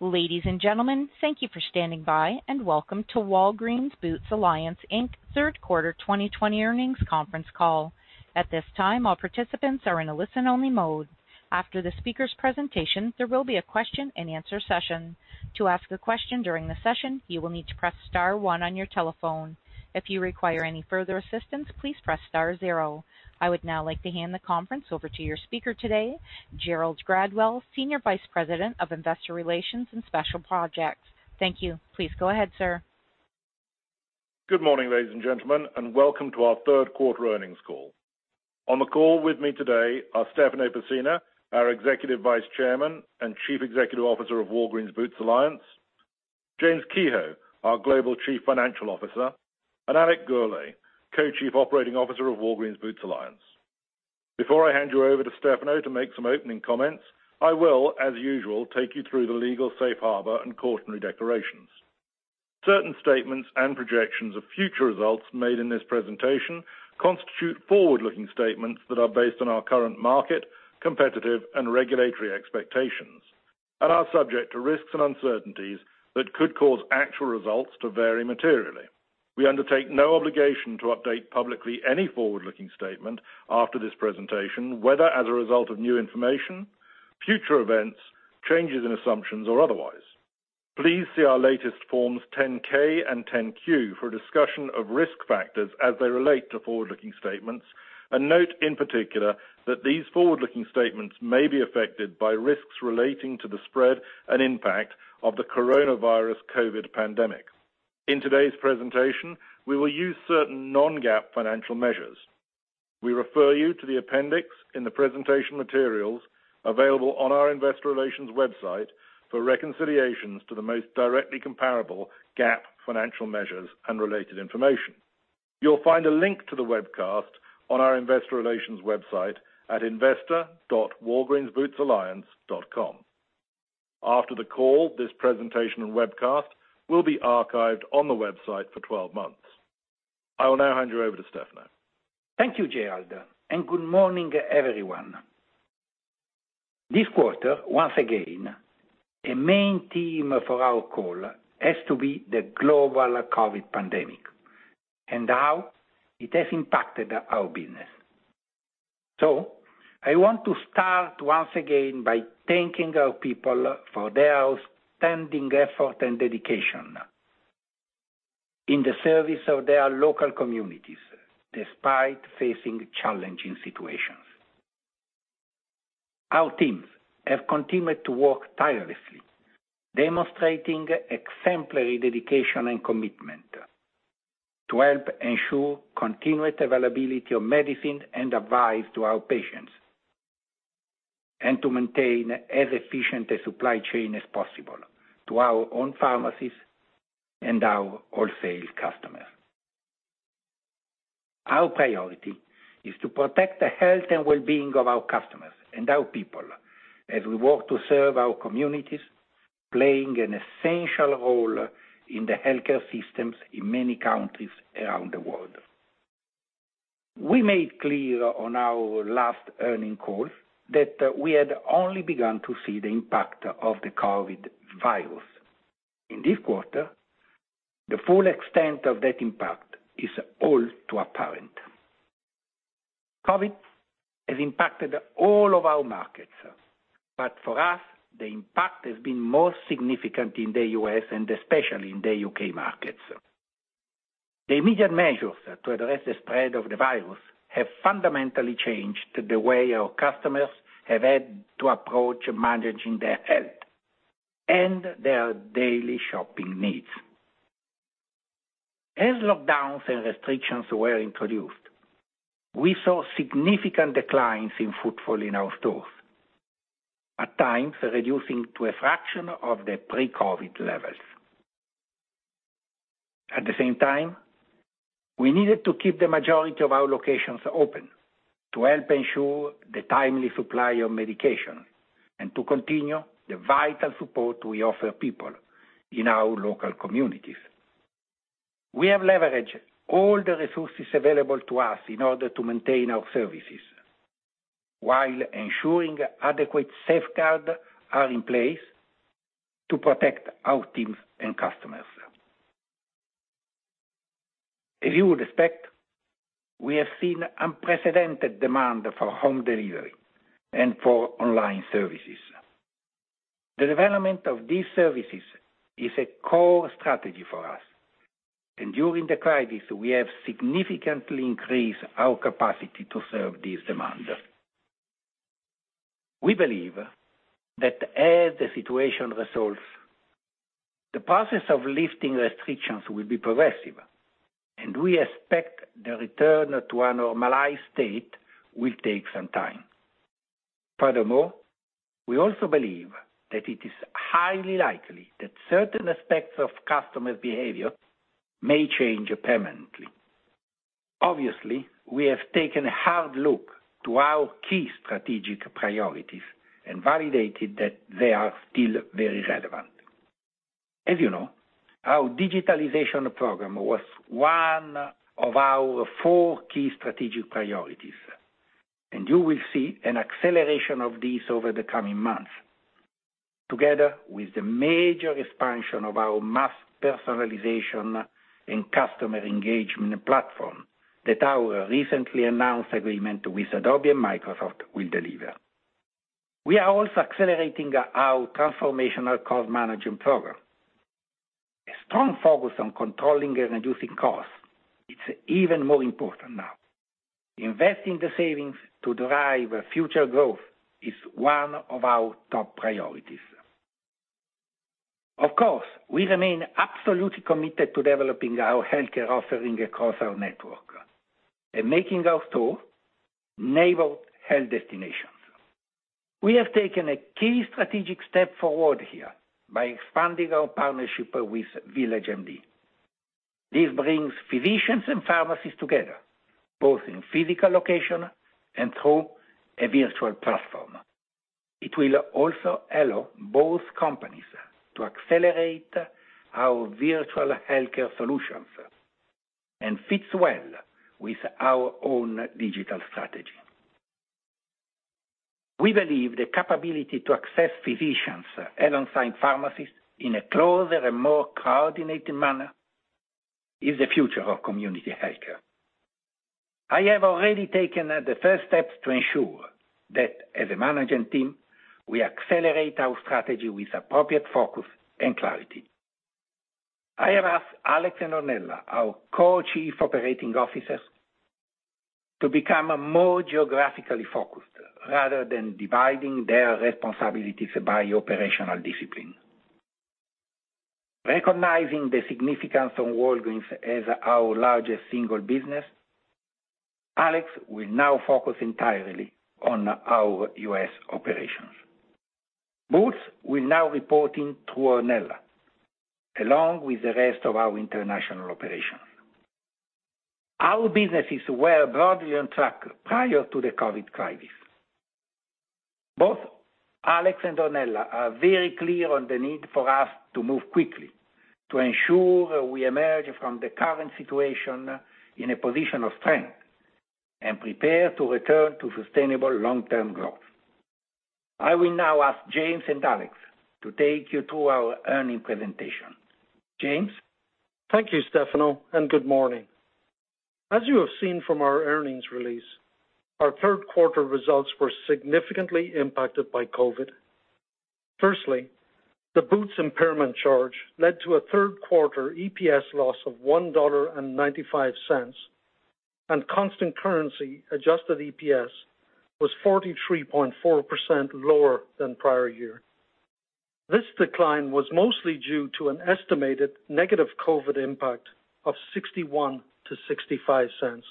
Ladies and gentlemen, thank you for standing by, and welcome to Walgreens Boots Alliance, Inc. third quarter 2020 earnings conference call. At this time, all participants are in a listen-only mode. After the speaker's presentation, there will be a question and answer session. To ask a question during the session, you will need to press star one on your telephone. If you require any further assistance, please press star zero. I would now like to hand the conference over to your speaker today, Gerald Gradwell, Senior Vice President of Investor Relations and Special Projects. Thank you. Please go ahead, sir. Good morning, ladies and gentlemen, and welcome to our third quarter earnings call. On the call with me today are Stefano Pessina, our Executive Vice Chairman and Chief Executive Officer of Walgreens Boots Alliance, James Kehoe, our Global Chief Financial Officer, and Alex Gourlay, Co-Chief Operating Officer of Walgreens Boots Alliance. Before I hand you over to Stefano to make some opening comments, I will, as usual, take you through the legal safe harbor and cautionary declarations. Certain statements and projections of future results made in this presentation constitute forward-looking statements that are based on our current market, competitive, and regulatory expectations, and are subject to risks and uncertainties that could cause actual results to vary materially. We undertake no obligation to update publicly any forward-looking statement after this presentation, whether as a result of new information, future events, changes in assumptions, or otherwise. Please see our latest Forms 10-K and 10-Q for a discussion of risk factors as they relate to forward-looking statements, and note in particular that these forward-looking statements may be affected by risks relating to the spread and impact of the coronavirus COVID pandemic. In today's presentation, we will use certain non-GAAP financial measures. We refer you to the appendix in the presentation materials available on our investor relations website for reconciliations to the most directly comparable GAAP financial measures and related information. You'll find a link to the webcast on our investor relations website at investor.walgreensbootsalliance.com. After the call, this presentation and webcast will be archived on the website for 12 months. I will now hand you over to Stefano. Thank you, Gerald, and good morning, everyone. This quarter, once again, a main theme for our call has to be the global COVID pandemic and how it has impacted our business. I want to start once again by thanking our people for their outstanding effort and dedication in the service of their local communities, despite facing challenging situations. Our teams have continued to work tirelessly, demonstrating exemplary dedication and commitment to help ensure continued availability of medicine and advice to our patients, and to maintain as efficient a supply chain as possible to our own pharmacies and our wholesale customers. Our priority is to protect the health and wellbeing of our customers and our people as we work to serve our communities, playing an essential role in the healthcare systems in many countries around the world. We made clear on our last earning call that we had only begun to see the impact of the COVID. In this quarter, the full extent of that impact is all too apparent. COVID has impacted all of our markets. For us, the impact has been most significant in the U.S. and especially in the U.K. markets. The immediate measures to address the spread of the virus have fundamentally changed the way our customers have had to approach managing their health and their daily shopping needs. As lockdowns and restrictions were introduced, we saw significant declines in footfall in our stores, at times reducing to a fraction of the pre-COVID levels. At the same time, we needed to keep the majority of our locations open to help ensure the timely supply of medication and to continue the vital support we offer people in our local communities. We have leveraged all the resources available to us in order to maintain our services while ensuring adequate safeguards are in place to protect our teams and customers. As you would expect, we have seen unprecedented demand for home delivery and for online services. The development of these services is a core strategy for us, and during the crisis, we have significantly increased our capacity to serve these demands. We believe that as the situation resolves, the process of lifting restrictions will be progressive, and we expect the return to a normalized state will take some time. Furthermore, we also believe that it is highly likely that certain aspects of customer behavior may change permanently. Obviously, we have taken a hard look to our key strategic priorities and validated that they are still very relevant. As you know, our digitalization program was one of our four key strategic priorities, and you will see an acceleration of this over the coming months, together with the major expansion of our mass personalization and customer engagement platform that our recently announced agreement with Adobe and Microsoft will deliver. We are also accelerating our Transformational Cost Management Program. A strong focus on controlling and reducing costs is even more important now. Investing the savings to drive future growth is one of our top priorities. Of course, we remain absolutely committed to developing our healthcare offering across our network and making our stores enabled health destinations. We have taken a key strategic step forward here by expanding our partnership with VillageMD. This brings physicians and pharmacies together, both in physical location and through a virtual platform. It will also allow both companies to accelerate our virtual healthcare solutions and fits well with our own digital strategy. We believe the capability to access physicians alongside pharmacies in a closer and more coordinated manner is the future of community healthcare. I have already taken the first steps to ensure that as a management team, we accelerate our strategy with appropriate focus and clarity. I have asked Alex and Ornella, our co-chief operating officers, to become more geographically focused rather than dividing their responsibilities by operational discipline. Recognizing the significance of Walgreens as our largest single business, Alex will now focus entirely on our U.S. operations. Boots will now report in to Ornella, along with the rest of our international operations. Our businesses were broadly on track prior to the COVID crisis. Both Alex and Ornella are very clear on the need for us to move quickly to ensure we emerge from the current situation in a position of strength and prepare to return to sustainable long-term growth. I will now ask James and Alex to take you through our earning presentation. James? Thank you, Stefano, and good morning. As you have seen from our earnings release, our third quarter results were significantly impacted by COVID. Firstly, the Boots impairment charge led to a third quarter EPS loss of $1.95. Constant currency adjusted EPS was 43.4% lower than prior year. This decline was mostly due to an estimated negative COVID impact of $0.61-$0.65.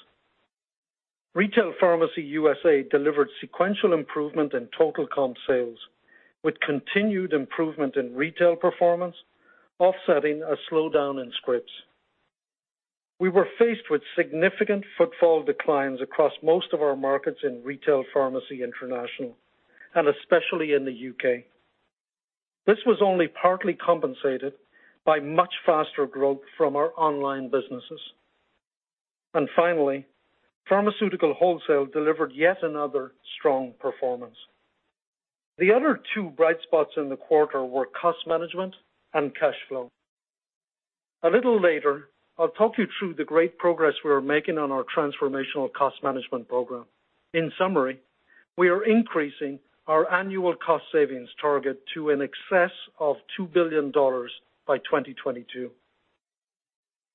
Retail Pharmacy USA delivered sequential improvement in total comp sales, with continued improvement in retail performance offsetting a slowdown in scripts. We were faced with significant footfall declines across most of our markets in Retail Pharmacy International, and especially in the U.K. This was only partly compensated by much faster growth from our online businesses. Finally, Pharmaceutical Wholesale delivered yet another strong performance. The other two bright spots in the quarter were cost management and cash flow. A little later, I'll talk you through the great progress we're making on our Transformational Cost Management Program. In summary, we are increasing our annual cost savings target to in excess of $2 billion by 2022.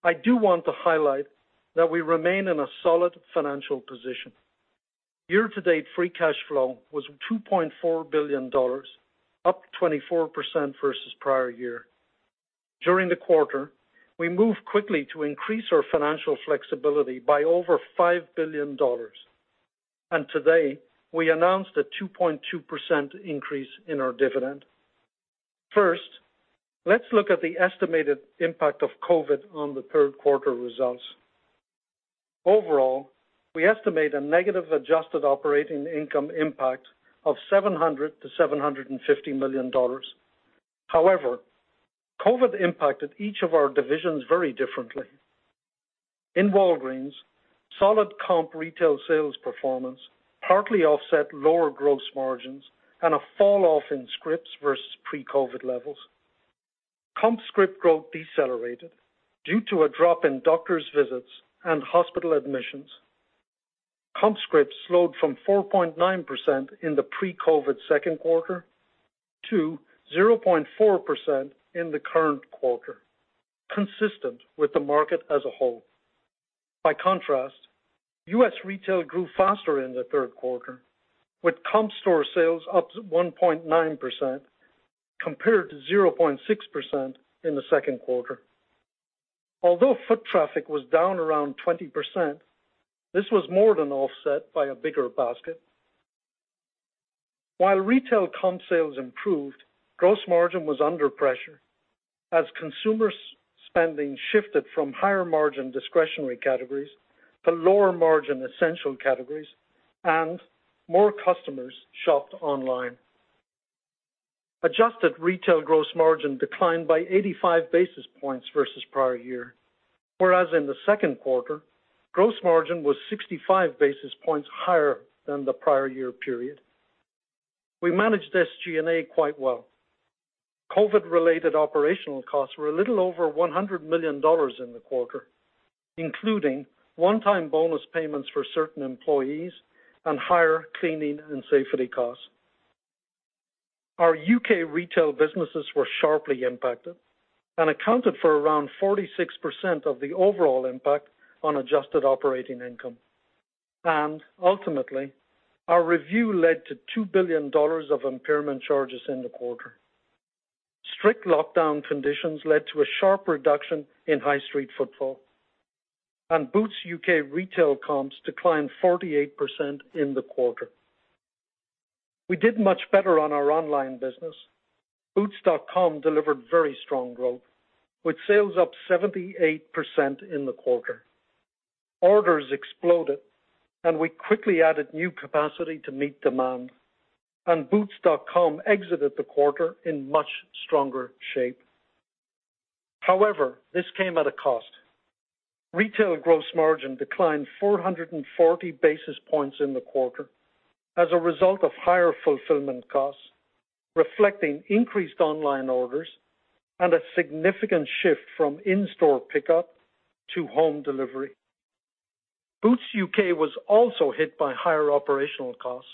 I do want to highlight that we remain in a solid financial position. Year-to-date free cash flow was $2.4 billion, up 24% versus prior year. During the quarter, we moved quickly to increase our financial flexibility by over $5 billion. Today, we announced a 2.2% increase in our dividend. First, let's look at the estimated impact of COVID on the third quarter results. Overall, we estimate a negative adjusted operating income impact of $700 million-$750 million. However, COVID impacted each of our divisions very differently. In Walgreens, solid comp retail sales performance partly offset lower gross margins and a fall off in scripts versus pre-COVID levels. Comp script growth decelerated due to a drop in doctor's visits and hospital admissions. Comp scripts slowed from 4.9% in the pre-COVID second quarter to 0.4% in the current quarter, consistent with the market as a whole. By contrast, U.S. retail grew faster in the third quarter, with comp store sales up to 1.9%, compared to 0.6% in the second quarter. Although foot traffic was down around 20%, this was more than offset by a bigger basket. While retail comp sales improved, gross margin was under pressure as consumer spending shifted from higher-margin discretionary categories to lower-margin essential categories. More customers shopped online. Adjusted retail gross margin declined by 85 basis points versus prior year. Whereas in the second quarter, gross margin was 65 basis points higher than the prior year period. We managed SG&A quite well. COVID-related operational costs were a little over $100 million in the quarter, including one-time bonus payments for certain employees and higher cleaning and safety costs. Our U.K. retail businesses were sharply impacted and accounted for around 46% of the overall impact on adjusted operating income. Ultimately, our review led to $2 billion of impairment charges in the quarter. Strict lockdown conditions led to a sharp reduction in high street footfall. Boots U.K. retail comps declined 48% in the quarter. We did much better on our online business. Boots.com delivered very strong growth with sales up 78% in the quarter. Orders exploded. We quickly added new capacity to meet demand. Boots.com exited the quarter in much stronger shape. However, this came at a cost. Retail gross margin declined 440 basis points in the quarter as a result of higher fulfillment costs, reflecting increased online orders, and a significant shift from in-store pickup to home delivery. Boots UK was also hit by higher operational costs,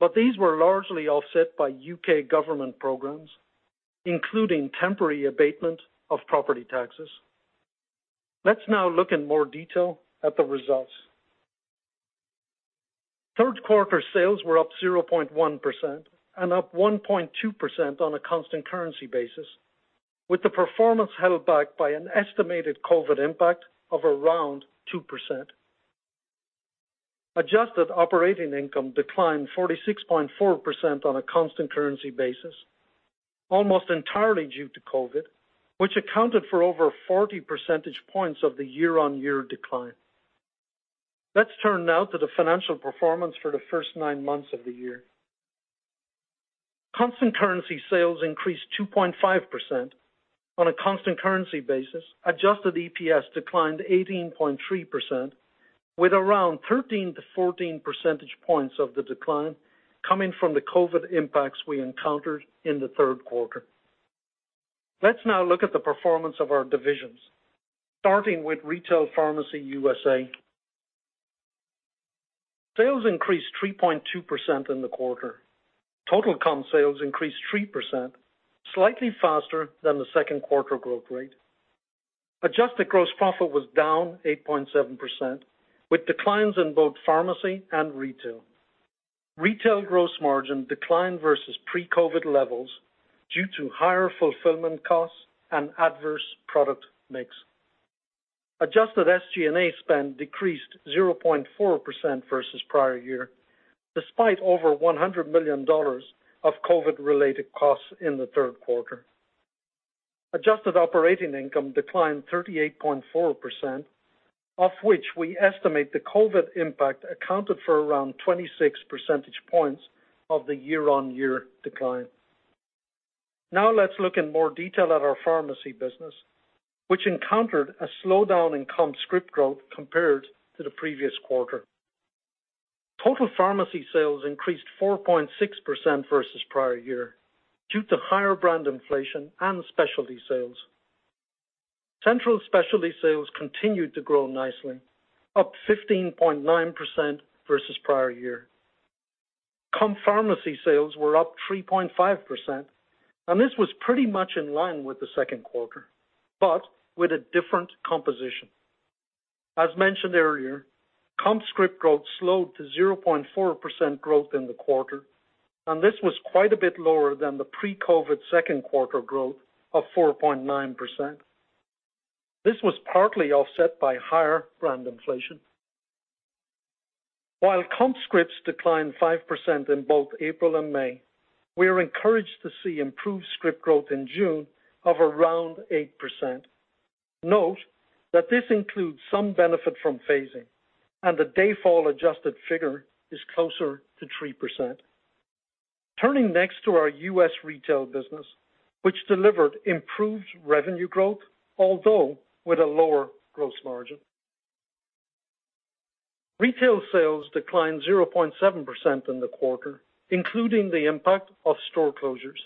but these were largely offset by U.K. government programs, including temporary abatement of property taxes. Let's now look in more detail at the results. Third quarter sales were up 0.1% and up 1.2% on a constant currency basis, with the performance held back by an estimated COVID impact of around 2%. Adjusted operating income declined 46.4% on a constant currency basis, almost entirely due to COVID, which accounted for over 40 percentage points of the year-on-year decline. Let's turn now to the financial performance for the first nine months of the year. Constant currency sales increased 2.5% on a constant currency basis. Adjusted EPS declined 18.3%, with around 13 to 14 percentage points of the decline coming from the COVID impacts we encountered in the third quarter. Let's now look at the performance of our divisions. Starting with Retail Pharmacy USA. Sales increased 3.2% in the quarter. Total comp sales increased 3%, slightly faster than the second quarter growth rate. Adjusted gross profit was down 8.7%, with declines in both pharmacy and retail. Retail gross margin declined versus pre-COVID levels due to higher fulfillment costs and adverse product mix. Adjusted SG&A spend decreased 0.4% versus prior year, despite over $100 million of COVID-related costs in the third quarter. Adjusted operating income declined 38.4%, of which we estimate the COVID impact accounted for around 26 percentage points of the year-on-year decline. Now let's look in more detail at our pharmacy business, which encountered a slowdown in comp script growth compared to the previous quarter. Total pharmacy sales increased 4.6% versus prior year due to higher brand inflation and specialty sales. Central specialty sales continued to grow nicely, up 15.9% versus prior year. Comp pharmacy sales were up 3.5%, and this was pretty much in line with the second quarter, but with a different composition. As mentioned earlier, comp script growth slowed to 0.4% growth in the quarter, and this was quite a bit lower than the pre-COVID second quarter growth of 4.9%. This was partly offset by higher brand inflation. While comp scripts declined 5% in both April and May, we are encouraged to see improved script growth in June of around 8%. Note that this includes some benefit from phasing and the day-count adjusted figure is closer to 3%. Turning next to our U.S. retail business, which delivered improved revenue growth, although with a lower gross margin. Retail sales declined 0.7% in the quarter, including the impact of store closures.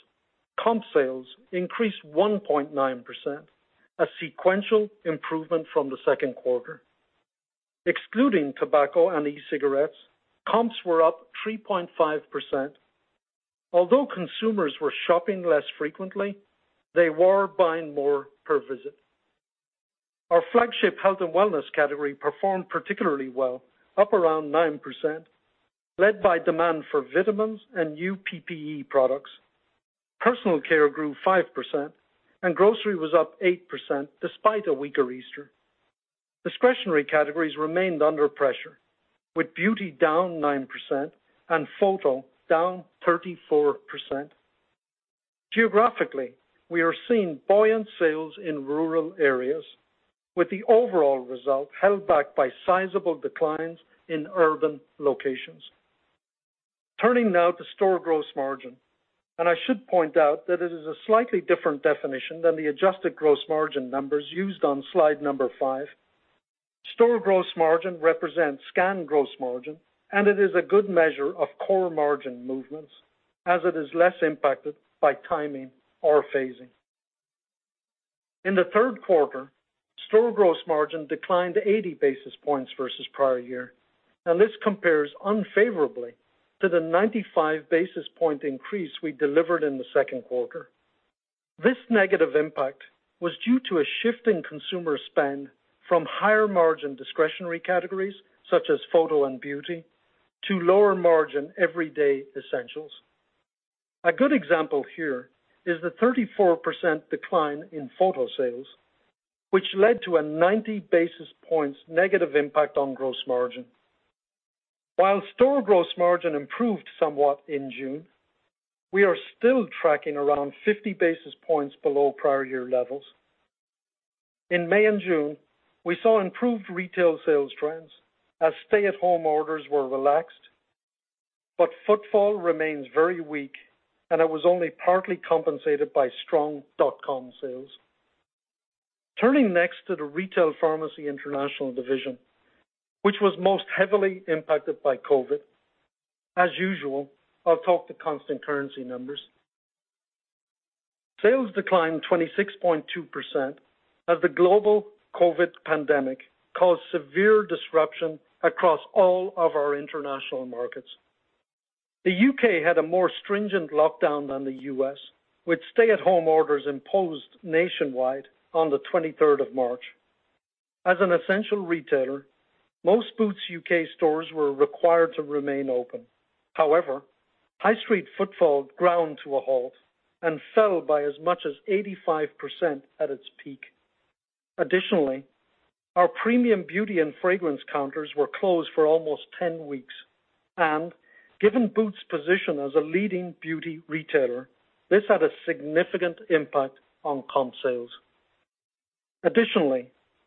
Comp sales increased 1.9%, a sequential improvement from the second quarter. Excluding tobacco and e-cigarettes, comps were up 3.5%. Although consumers were shopping less frequently, they were buying more per visit. Our flagship health and wellness category performed particularly well, up around 9%, led by demand for vitamins and new PPE products. Personal care grew 5% and grocery was up 8%, despite a weaker Easter. Discretionary categories remained under pressure, with beauty down 9% and photo down 34%. Geographically, we are seeing buoyant sales in rural areas, with the overall result held back by sizable declines in urban locations. Turning now to store gross margin. I should point out that it is a slightly different definition than the adjusted gross margin numbers used on slide number five. Store gross margin represents scan gross margin. It is a good measure of core margin movements, as it is less impacted by timing or phasing. In the third quarter, store gross margin declined 80 basis points versus prior year. This compares unfavorably to the 95 basis point increase we delivered in the second quarter. This negative impact was due to a shift in consumer spend from higher-margin discretionary categories, such as photo and beauty, to lower-margin everyday essentials. A good example here is the 34% decline in photo sales, which led to a 90 basis points negative impact on gross margin. While store gross margin improved somewhat in June, we are still tracking around 50 basis points below prior year levels. In May and June, we saw improved retail sales trends as stay-at-home orders were relaxed. Footfall remains very weak and it was only partly compensated by strong dot-com sales. Turning next to the Retail Pharmacy International division, which was most heavily impacted by COVID. As usual, I'll talk to constant currency numbers. Sales declined 26.2% as the global COVID pandemic caused severe disruption across all of our international markets. The U.K. had a more stringent lockdown than the U.S., with stay-at-home orders imposed nationwide on the 23rd of March. As an essential retailer, most Boots UK stores were required to remain open. However, high street footfall ground to a halt and fell by as much as 85% at its peak. Our premium beauty and fragrance counters were closed for almost 10 weeks, and given Boots' position as a leading beauty retailer, this had a significant impact on comp sales.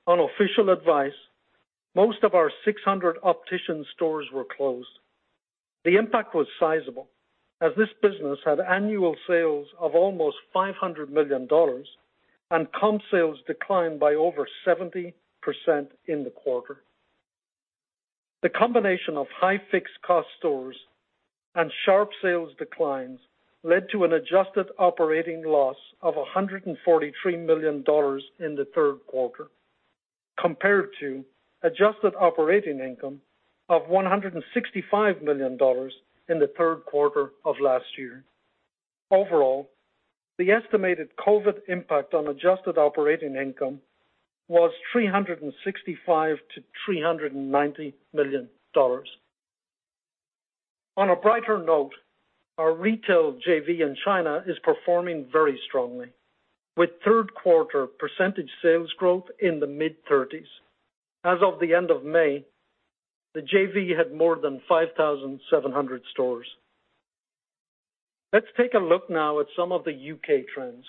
On official advice, most of our 600 optician stores were closed. The impact was sizable, as this business had annual sales of almost $500 million and comp sales declined by over 70% in the quarter. The combination of high fixed-cost stores and sharp sales declines led to an adjusted operating loss of $143 million in the third quarter, compared to adjusted operating income of $165 million in the third quarter of last year. Overall, the estimated COVID impact on adjusted operating income was $365 million-$390 million. On a brighter note, our retail JV in China is performing very strongly, with third-quarter percentage sales growth in the mid-30s. As of the end of May, the JV had more than 5,700 stores. Let's take a look now at some of the U.K. trends.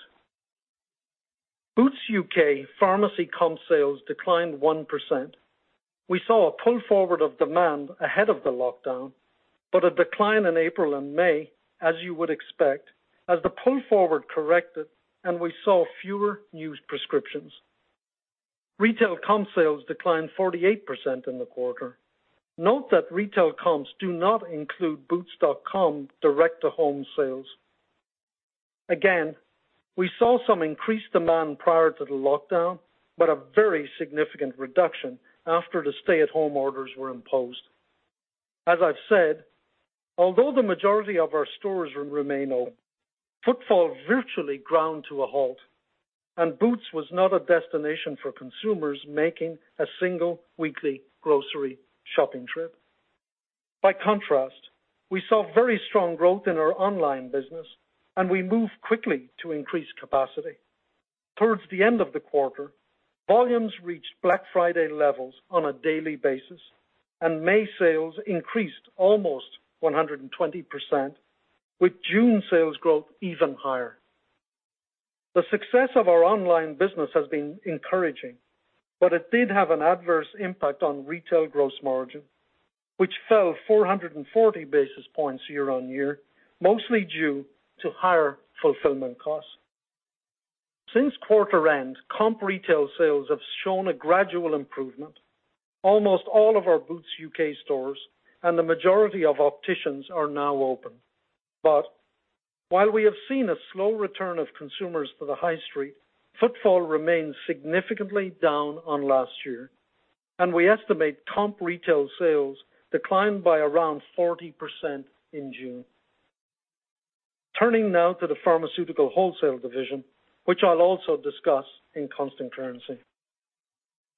Boots UK pharmacy comp sales declined 1%. We saw a pull forward of demand ahead of the lockdown, but a decline in April and May, as you would expect, as the pull forward corrected, and we saw fewer new prescriptions. Retail comp sales declined 48% in the quarter. Note that retail comps do not include boots.com direct-to-home sales. We saw some increased demand prior to the lockdown, but a very significant reduction after the stay-at-home orders were imposed. As I've said, although the majority of our stores remain open, footfall virtually ground to a halt and Boots was not a destination for consumers making a single weekly grocery shopping trip. By contrast, we saw very strong growth in our online business and we moved quickly to increase capacity. Towards the end of the quarter, volumes reached Black Friday levels on a daily basis, and May sales increased almost 120%, with June sales growth even higher. The success of our online business has been encouraging, but it did have an adverse impact on retail gross margin, which fell 440 basis points year-on-year, mostly due to higher fulfillment costs. Since quarter end, comp retail sales have shown a gradual improvement. Almost all of our Boots UK stores and the majority of opticians are now open. While we have seen a slow return of consumers to the high street, footfall remains significantly down on last year, and we estimate comp retail sales declined by around 40% in June. Turning now to the Pharmaceutical Wholesale division, which I'll also discuss in constant currency.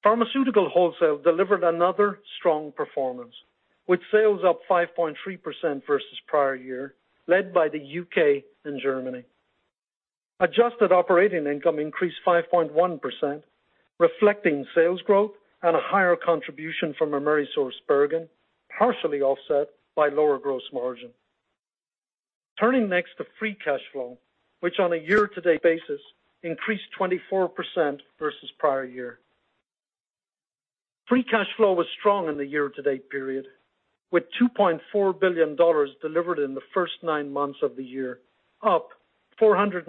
Pharmaceutical Wholesale delivered another strong performance with sales up 5.3% versus prior year, led by the U.K. and Germany. Adjusted operating income increased 5.1%. Reflecting sales growth and a higher contribution from AmerisourceBergen, partially offset by lower gross margin. Turning next to free cash flow, which on a year-to-date basis increased 24% versus prior year. Free cash flow was strong in the year-to-date period, with $2.4 billion delivered in the first nine months of the year, up $467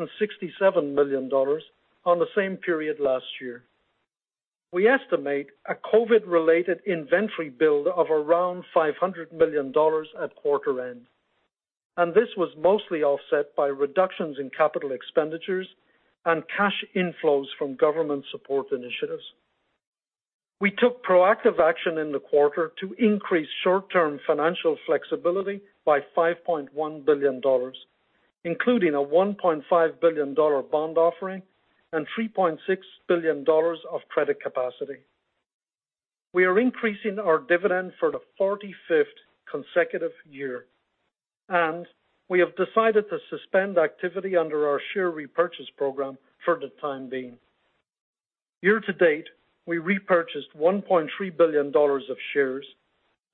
million on the same period last year. We estimate a COVID-related inventory build of around $500 million at quarter end. This was mostly offset by reductions in capital expenditures and cash inflows from government support initiatives. We took proactive action in the quarter to increase short-term financial flexibility by $5.1 billion, including a $1.5 billion bond offering and $3.6 billion of credit capacity. We are increasing our dividend for the 45th consecutive year. We have decided to suspend activity under our share repurchase program for the time being. Year to date, we repurchased $1.3 billion of shares,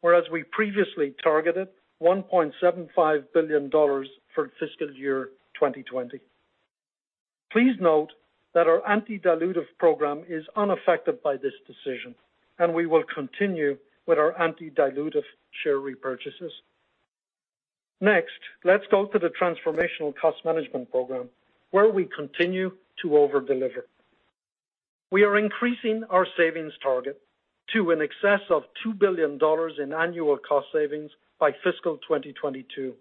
whereas we previously targeted $1.75 billion for fiscal year 2020. Please note that our anti-dilutive program is unaffected by this decision. We will continue with our anti-dilutive share repurchases. Next, let's go to the Transformational Cost Management Program, where we continue to over-deliver. We are increasing our savings target to in excess of $2 billion in annual cost savings by fiscal 2022,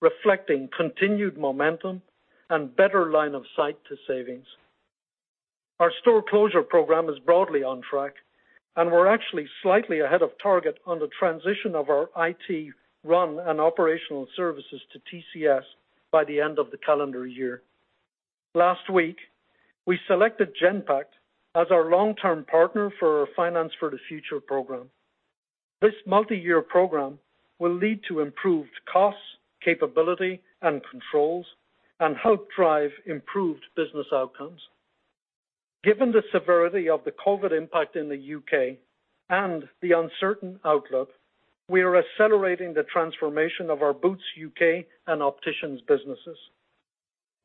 reflecting continued momentum and better line of sight to savings. Our store closure program is broadly on track. We're actually slightly ahead of target on the transition of our IT run and operational services to TCS by the end of the calendar year. Last week, we selected Genpact as our long-term partner for our Finance for the Future program. This multi-year program will lead to improved costs, capability, and controls, and help drive improved business outcomes. Given the severity of the COVID impact in the U.K. and the uncertain outlook, we are accelerating the transformation of our Boots UK and Opticians businesses.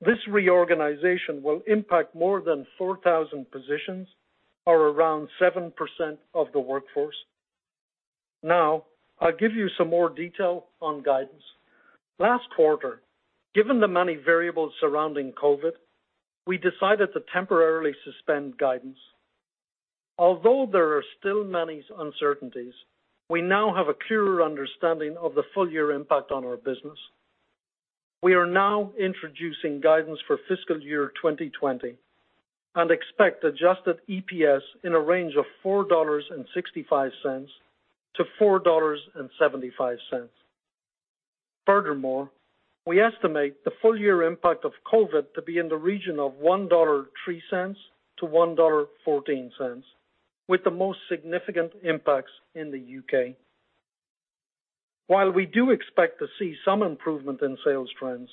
This reorganization will impact more than 4,000 positions, or around 7% of the workforce. Now, I'll give you some more detail on guidance. Last quarter, given the many variables surrounding COVID, we decided to temporarily suspend guidance. Although there are still many uncertainties, we now have a clearer understanding of the full-year impact on our business. We are now introducing guidance for fiscal year 2020 and expect adjusted EPS in a range of $4.65 to $4.75. We estimate the full-year impact of COVID to be in the region of $1.03-$1.14, with the most significant impacts in the U.K. While we do expect to see some improvement in sales trends,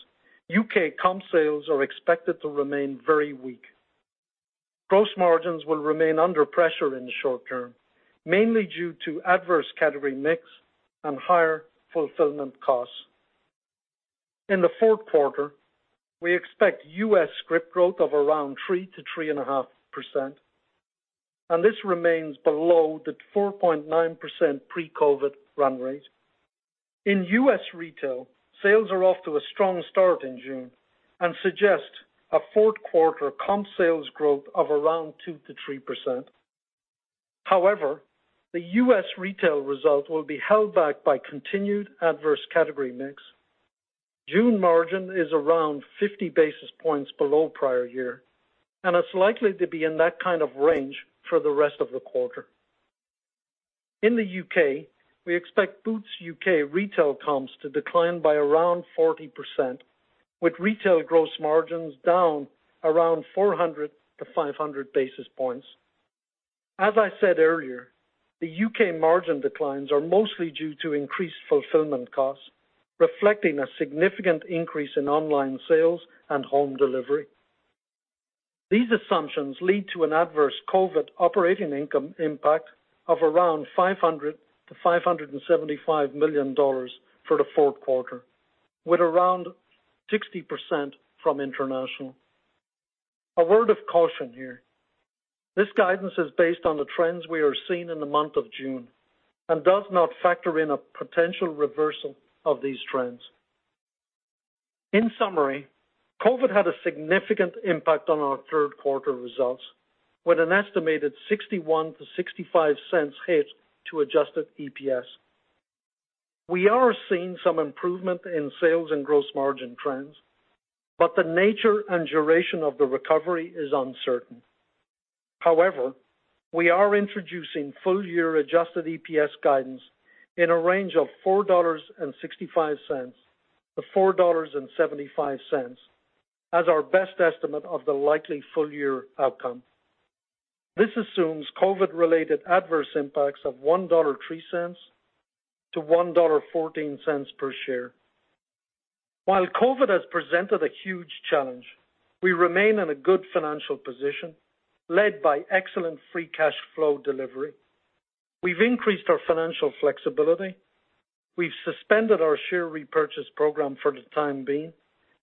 U.K. comp sales are expected to remain very weak. Gross margins will remain under pressure in the short term, mainly due to adverse category mix and higher fulfillment costs. In the fourth quarter, we expect U.S. script growth of around 3%-3.5%, and this remains below the 4.9% pre-COVID run rate. In U.S. retail, sales are off to a strong start in June and suggest a fourth quarter comp sales growth of around 2%-3%. The U.S. retail result will be held back by continued adverse category mix. June margin is around 50 basis points below prior year, and it's likely to be in that kind of range for the rest of the quarter. In the U.K., we expect Boots UK retail comps to decline by around 40%, with retail gross margins down around 400-500 basis points. As I said earlier, the U.K. margin declines are mostly due to increased fulfillment costs, reflecting a significant increase in online sales and home delivery. These assumptions lead to an adverse COVID operating income impact of around $500 million-$575 million for the fourth quarter, with around 60% from international. A word of caution here. This guidance is based on the trends we are seeing in the month of June and does not factor in a potential reversal of these trends. In summary, COVID had a significant impact on our third quarter results, with an estimated $0.61 to $0.65 hit to adjusted EPS. We are seeing some improvement in sales and gross margin trends, but the nature and duration of the recovery is uncertain. We are introducing full-year adjusted EPS guidance in a range of $4.65 to $4.75 as our best estimate of the likely full-year outcome. This assumes COVID-related adverse impacts of $1.03 to $1.14 per share. While COVID has presented a huge challenge, we remain in a good financial position, led by excellent free cash flow delivery. We've increased our financial flexibility, we've suspended our share repurchase program for the time being,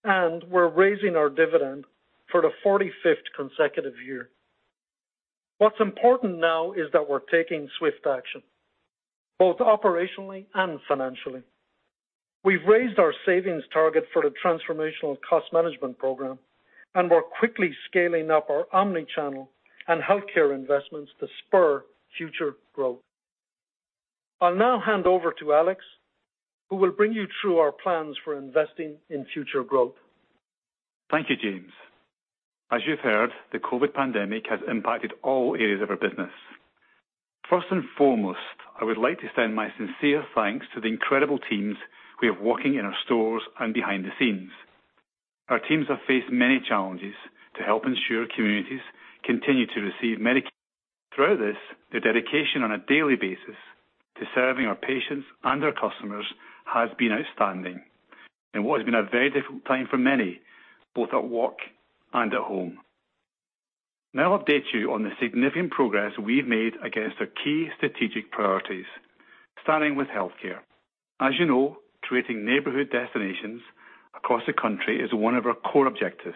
and we're raising our dividend for the 45th consecutive year. What's important now is that we're taking swift action, both operationally and financially. We've raised our savings target for the Transformational Cost Management Program, and we're quickly scaling up our omnichannel and healthcare investments to spur future growth. I'll now hand over to Alex, who will bring you through our plans for investing in future growth. Thank you, James. As you've heard, the COVID pandemic has impacted all areas of our business. First and foremost, I would like to send my sincere thanks to the incredible teams we have working in our stores and behind the scenes. Our teams have faced many challenges to help ensure communities continue to receive. Through this, their dedication on a daily basis to serving our patients and our customers has been outstanding in what has been a very difficult time for many, both at work and at home. Now I'll update you on the significant progress we've made against our key strategic priorities, starting with healthcare. As you know, creating neighborhood destinations across the country is one of our core objectives.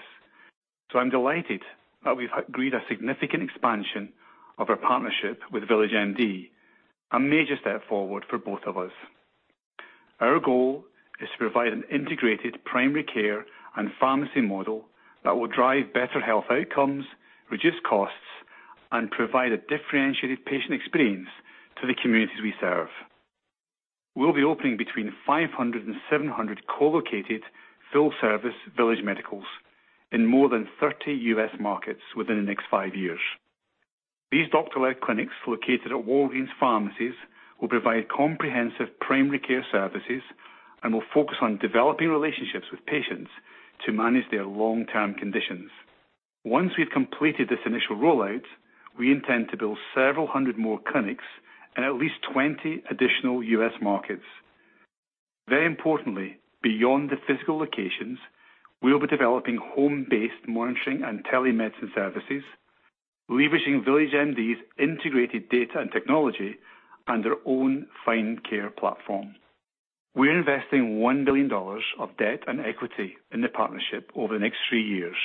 I'm delighted that we've agreed a significant expansion of our partnership with VillageMD, a major step forward for both of us. Our goal is to provide an integrated primary care and pharmacy model that will drive better health outcomes, reduce costs, and provide a differentiated patient experience to the communities we serve. We'll be opening between 500 and 700 co-located full service Village Medicals in more than 30 U.S. markets within the next five years. These doctor-led clinics, located at Walgreens pharmacies, will provide comprehensive primary care services and will focus on developing relationships with patients to manage their long-term conditions. Once we've completed this initial rollout, we intend to build several hundred more clinics in at least 20 additional U.S. markets. Very importantly, beyond the physical locations, we'll be developing home-based monitoring and telemedicine services, leveraging VillageMD's integrated data and technology and their own Find Care platform. We're investing $1 billion of debt and equity in the partnership over the next three years,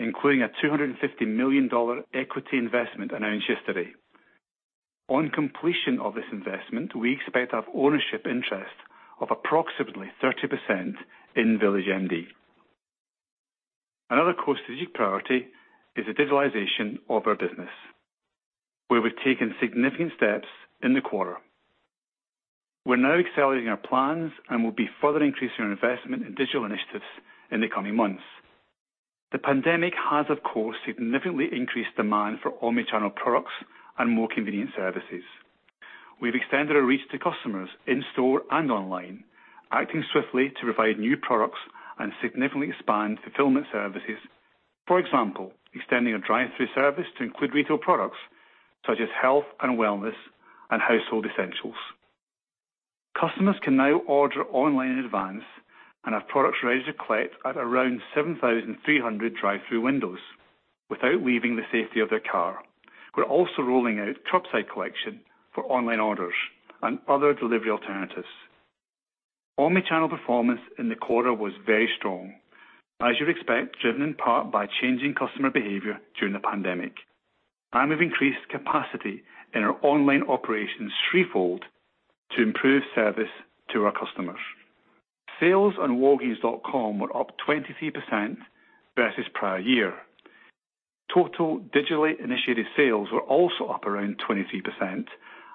including a $250 million equity investment announced yesterday. On completion of this investment, we expect to have ownership interest of approximately 30% in VillageMD. Another core strategic priority is the digitalization of our business, where we've taken significant steps in the quarter. We're now accelerating our plans and will be further increasing our investment in digital initiatives in the coming months. The pandemic has, of course, significantly increased demand for omnichannel products and more convenient services. We've extended our reach to customers in store and online, acting swiftly to provide new products and significantly expand fulfillment services. For example, extending our drive-through service to include retail products such as health and wellness and household essentials. Customers can now order online in advance and have products ready to collect at around 7,300 drive-through windows without leaving the safety of their car. We're also rolling out curbside collection for online orders and other delivery alternatives. Omnichannel performance in the quarter was very strong, as you'd expect, driven in part by changing customer behavior during the pandemic, and we've increased capacity in our online operations threefold to improve service to our customers. Sales on walgreens.com were up 23% versus prior year. Total digitally initiated sales were also up around 23%,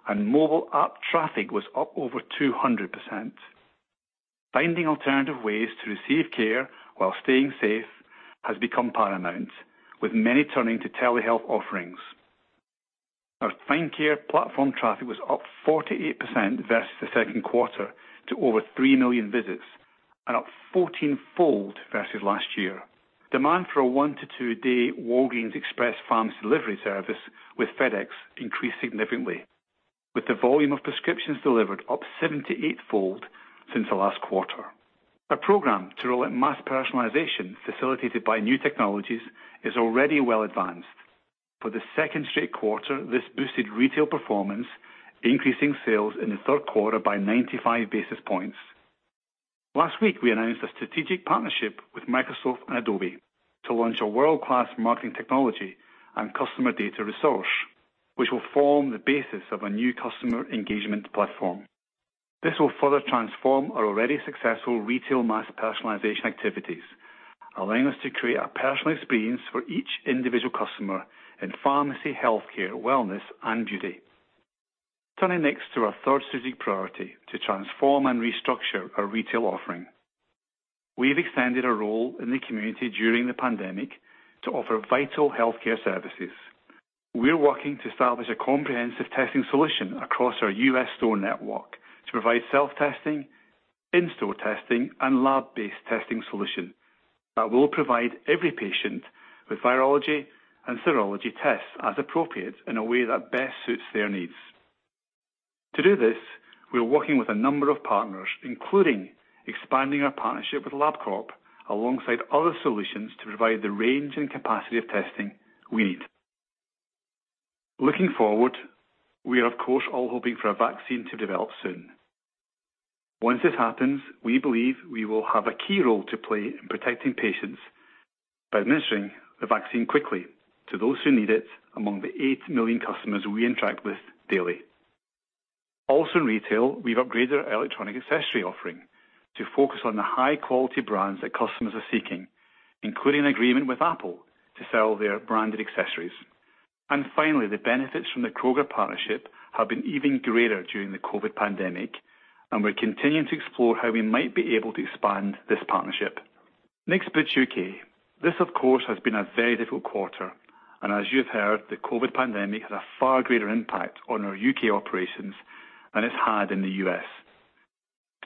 and mobile app traffic was up over 200%. Finding alternative ways to receive care while staying safe has become paramount, with many turning to telehealth offerings. Our Find Care platform traffic was up 48% versus the second quarter to over 3 million visits and up 14-fold versus last year. Demand for a 1-to-2-day Walgreens Express delivery service with FedEx increased significantly, with the volume of prescriptions delivered up 78-fold since the last quarter. Our program to roll out mass personalization, facilitated by new technologies, is already well advanced. For the second straight quarter, this boosted retail performance, increasing sales in the third quarter by 95 basis points. Last week, we announced a strategic partnership with Microsoft and Adobe to launch a world-class marketing technology and customer data resource, which will form the basis of a new customer engagement platform. This will further transform our already successful retail mass personalization activities, allowing us to create a personal experience for each individual customer in pharmacy, healthcare, wellness, and beauty. Turning next to our third strategic priority to transform and restructure our retail offering. We've expanded our role in the community during the pandemic to offer vital healthcare services. We're working to establish a comprehensive testing solution across our U.S. store network to provide self-testing, in-store testing, and lab-based testing solution that will provide every patient with virology and serology tests as appropriate in a way that best suits their needs. To do this, we're working with a number of partners, including expanding our partnership with Labcorp, alongside other solutions to provide the range and capacity of testing we need. Looking forward, we are, of course, all hoping for a vaccine to develop soon. Once this happens, we believe we will have a key role to play in protecting patients by administering the vaccine quickly to those who need it among the 8 million customers we interact with daily. Also in retail, we've upgraded our electronic accessory offering to focus on the high-quality brands that customers are seeking, including an agreement with Apple to sell their branded accessories. Finally, the benefits from the Kroger partnership have been even greater during the COVID pandemic, and we're continuing to explore how we might be able to expand this partnership. Next, Boots UK. This, of course, has been a very difficult quarter, and as you have heard, the COVID pandemic had a far greater impact on our U.K. operations than it's had in the U.S.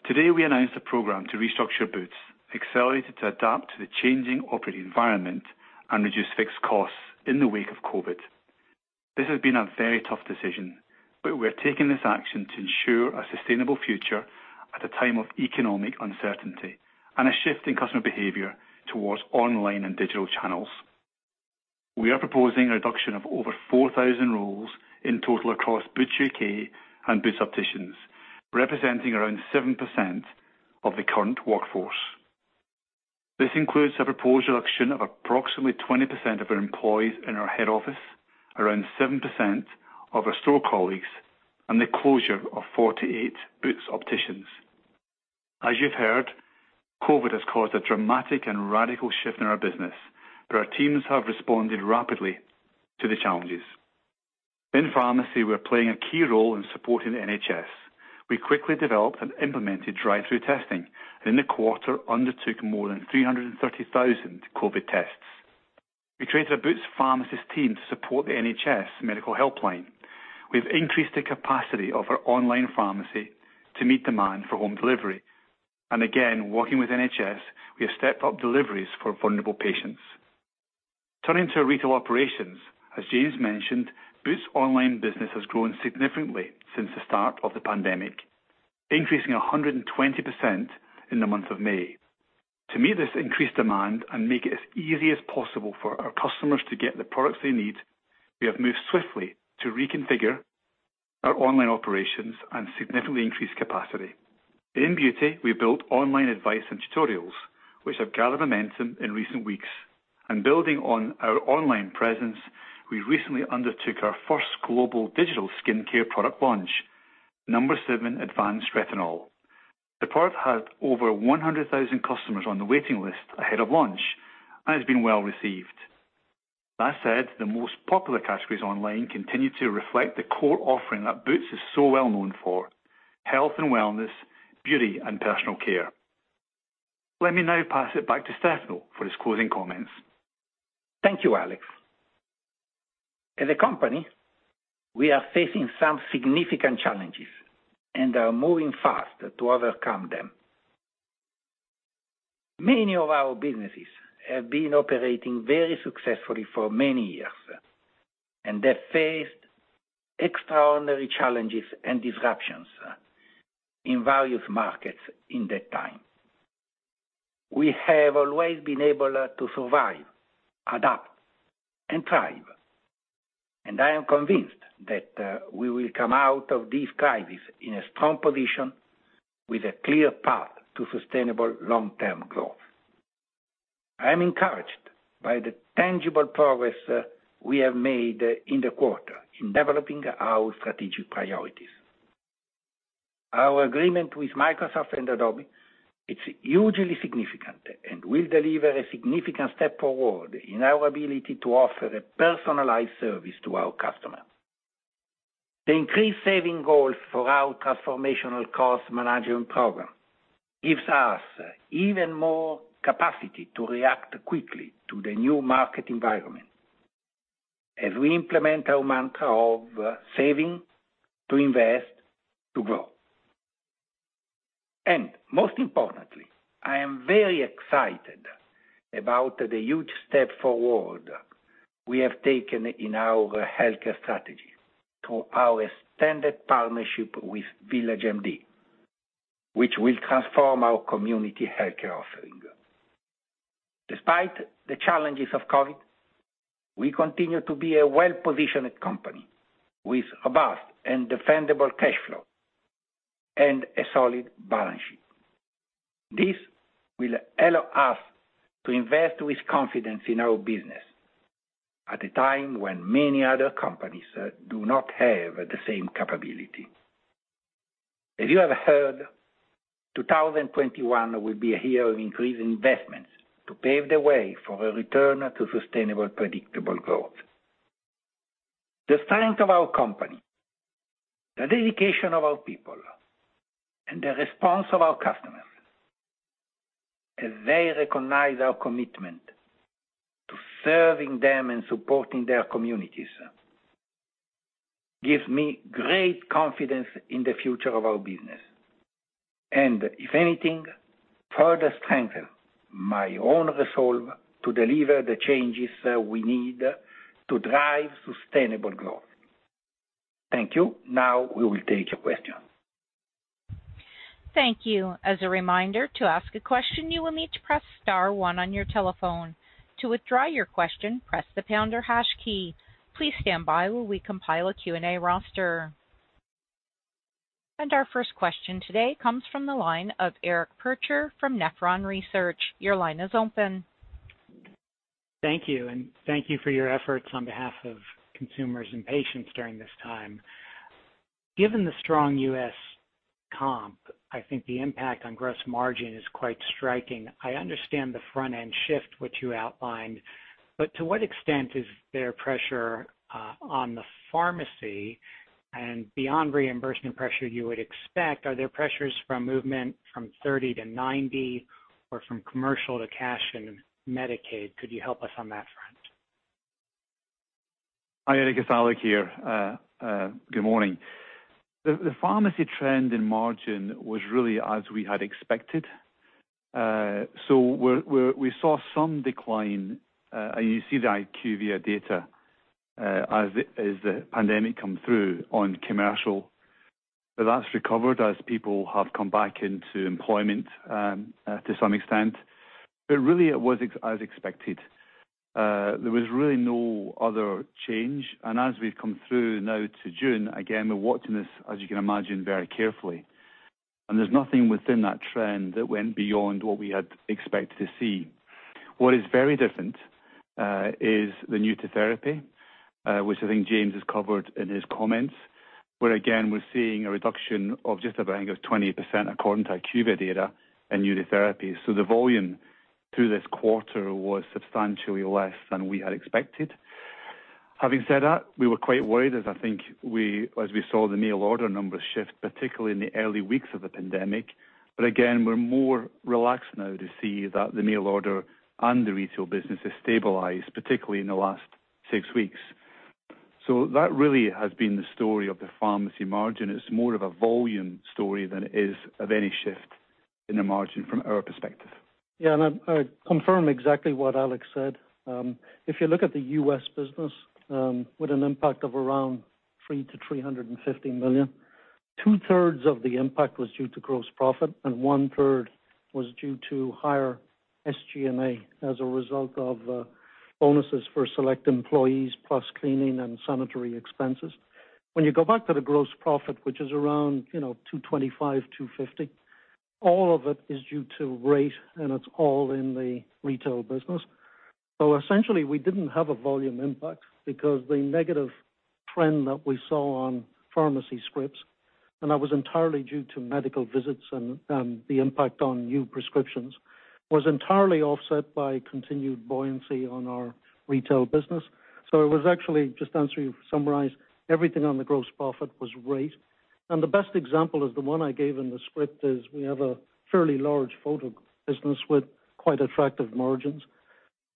Today, we announced a program to restructure Boots, accelerated to adapt to the changing operating environment and reduce fixed costs in the wake of COVID. This has been a very tough decision, but we're taking this action to ensure a sustainable future at a time of economic uncertainty and a shift in customer behavior towards online and digital channels. We are proposing a reduction of over 4,000 roles in total across Boots UK and Boots Opticians, representing around 7% of the current workforce. This includes a proposed reduction of approximately 20% of our employees in our head office, around 7% of our store colleagues, and the closure of 48 Boots Opticians. As you've heard, COVID has caused a dramatic and radical shift in our business, but our teams have responded rapidly to the challenges. In pharmacy, we're playing a key role in supporting the NHS. We quickly developed and implemented drive-through testing, and in the quarter, undertook more than 330,000 COVID tests. We created a Boots pharmacists team to support the NHS medical helpline. We've increased the capacity of our online pharmacy to meet demand for home delivery, and again, working with NHS, we have stepped up deliveries for vulnerable patients. Turning to our retail operations, as James mentioned, Boots online business has grown significantly since the start of the pandemic, increasing 120% in the month of May. To meet this increased demand and make it as easy as possible for our customers to get the products they need, we have moved swiftly to reconfigure our online operations and significantly increase capacity. In beauty, we built online advice and tutorials, which have gathered momentum in recent weeks. Building on our online presence, we recently undertook our first global digital skincare product launch, No7 Advanced Retinol. The product had over 100,000 customers on the waiting list ahead of launch and has been well-received. That said, the most popular categories online continue to reflect the core offering that Boots is so well-known for, health and wellness, beauty, and personal care. Let me now pass it back to Stefano for his closing comments. Thank you, Alex. As a company, we are facing some significant challenges and are moving fast to overcome them. Many of our businesses have been operating very successfully for many years and have faced extraordinary challenges and disruptions in various markets in that time. We have always been able to survive, adapt, and thrive. I am convinced that we will come out of this crisis in a strong position with a clear path to sustainable long-term growth. I am encouraged by the tangible progress we have made in the quarter in developing our strategic priorities. Our agreement with Microsoft and Adobe is hugely significant and will deliver a significant step forward in our ability to offer a personalized service to our customers. The increased saving goals for our Transformational Cost Management Program gives us even more capacity to react quickly to the new market environment as we implement our mantra of saving to invest to grow. Most importantly, I am very excited about the huge step forward we have taken in our healthcare strategy through our extended partnership with VillageMD, which will transform our community healthcare offering. Despite the challenges of COVID, we continue to be a well-positioned company with robust and dependable cash flow and a solid balance sheet. This will allow us to invest with confidence in our business at a time when many other companies do not have the same capability. As you have heard, 2021 will be a year of increased investments to pave the way for a return to sustainable, predictable growth. The strength of our company, the dedication of our people, and the response of our customers as they recognize our commitment to serving them and supporting their communities gives me great confidence in the future of our business. If anything, further strengthen my own resolve to deliver the changes we need to drive sustainable growth. Thank you. Now we will take your questions. Thank you. As a reminder, to ask a question, you will need to press star one on your telephone. To withdraw your question, press the pound or hash key. Please stand by while we compile a Q&A roster. Our first question today comes from the line of Eric Percher from Nephron Research. Your line is open. Thank you, thank you for your efforts on behalf of consumers and patients during this time. Given the strong U.S. comp, I think the impact on gross margin is quite striking. I understand the front-end shift which you outlined, to what extent is there pressure on the pharmacy? Beyond reimbursement pressure you would expect, are there pressures from movement from 30 to 90 or from commercial to cash in Medicaid? Could you help us on that front? Hi, Eric. It's Alex here. Good morning. The pharmacy trend in margin was really as we had expected. We saw some decline, you see the IQVIA data, as the pandemic come through on commercial. That's recovered as people have come back into employment to some extent. Really it was as expected. There was really no other change. As we've come through now to June, again, we're watching this, as you can imagine, very carefully. There's nothing within that trend that went beyond what we had expected to see. What is very different is the new therapy, which I think James has covered in his comments, where again, we're seeing a reduction of just around 20% according to IQVIA data in new therapy. The volume through this quarter was substantially less than we had expected. Having said that, we were quite worried as we saw the mail order numbers shift, particularly in the early weeks of the pandemic. Again, we're more relaxed now to see that the mail order and the retail business has stabilized, particularly in the last six weeks. That really has been the story of the pharmacy margin. It's more of a volume story than it is of any shift in the margin from our perspective. I confirm exactly what Alex said. If you look at the U.S. business, with an impact of around $300 million-$350 million, two-thirds of the impact was due to gross profit, and one-third was due to higher SG&A as a result of bonuses for select employees, plus cleaning and sanitary expenses. When you go back to the gross profit, which is around $225 million-$250 million, all of it is due to rate, and it's all in the retail business. Essentially, we didn't have a volume impact because the negative trend that we saw on pharmacy scripts, and that was entirely due to medical visits and the impact on new prescriptions, was entirely offset by continued buoyancy on our retail business. It was actually, just to summarize, everything on the gross profit was rate. The best example is the one I gave in the script is we have a fairly large photo business with quite attractive margins.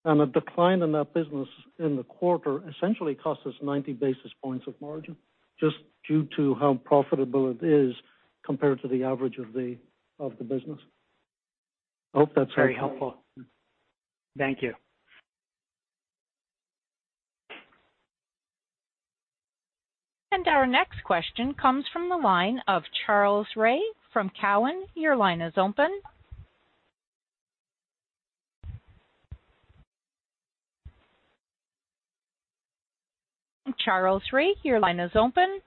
A decline in that business in the quarter essentially cost us 90 basis points of margin, just due to how profitable it is compared to the average of the business. I hope that's clear. Very helpful. Thank you. Our next question comes from the line of Charles Rhyee from Cowen. Your line is open. Charles Rhyee, your line is open.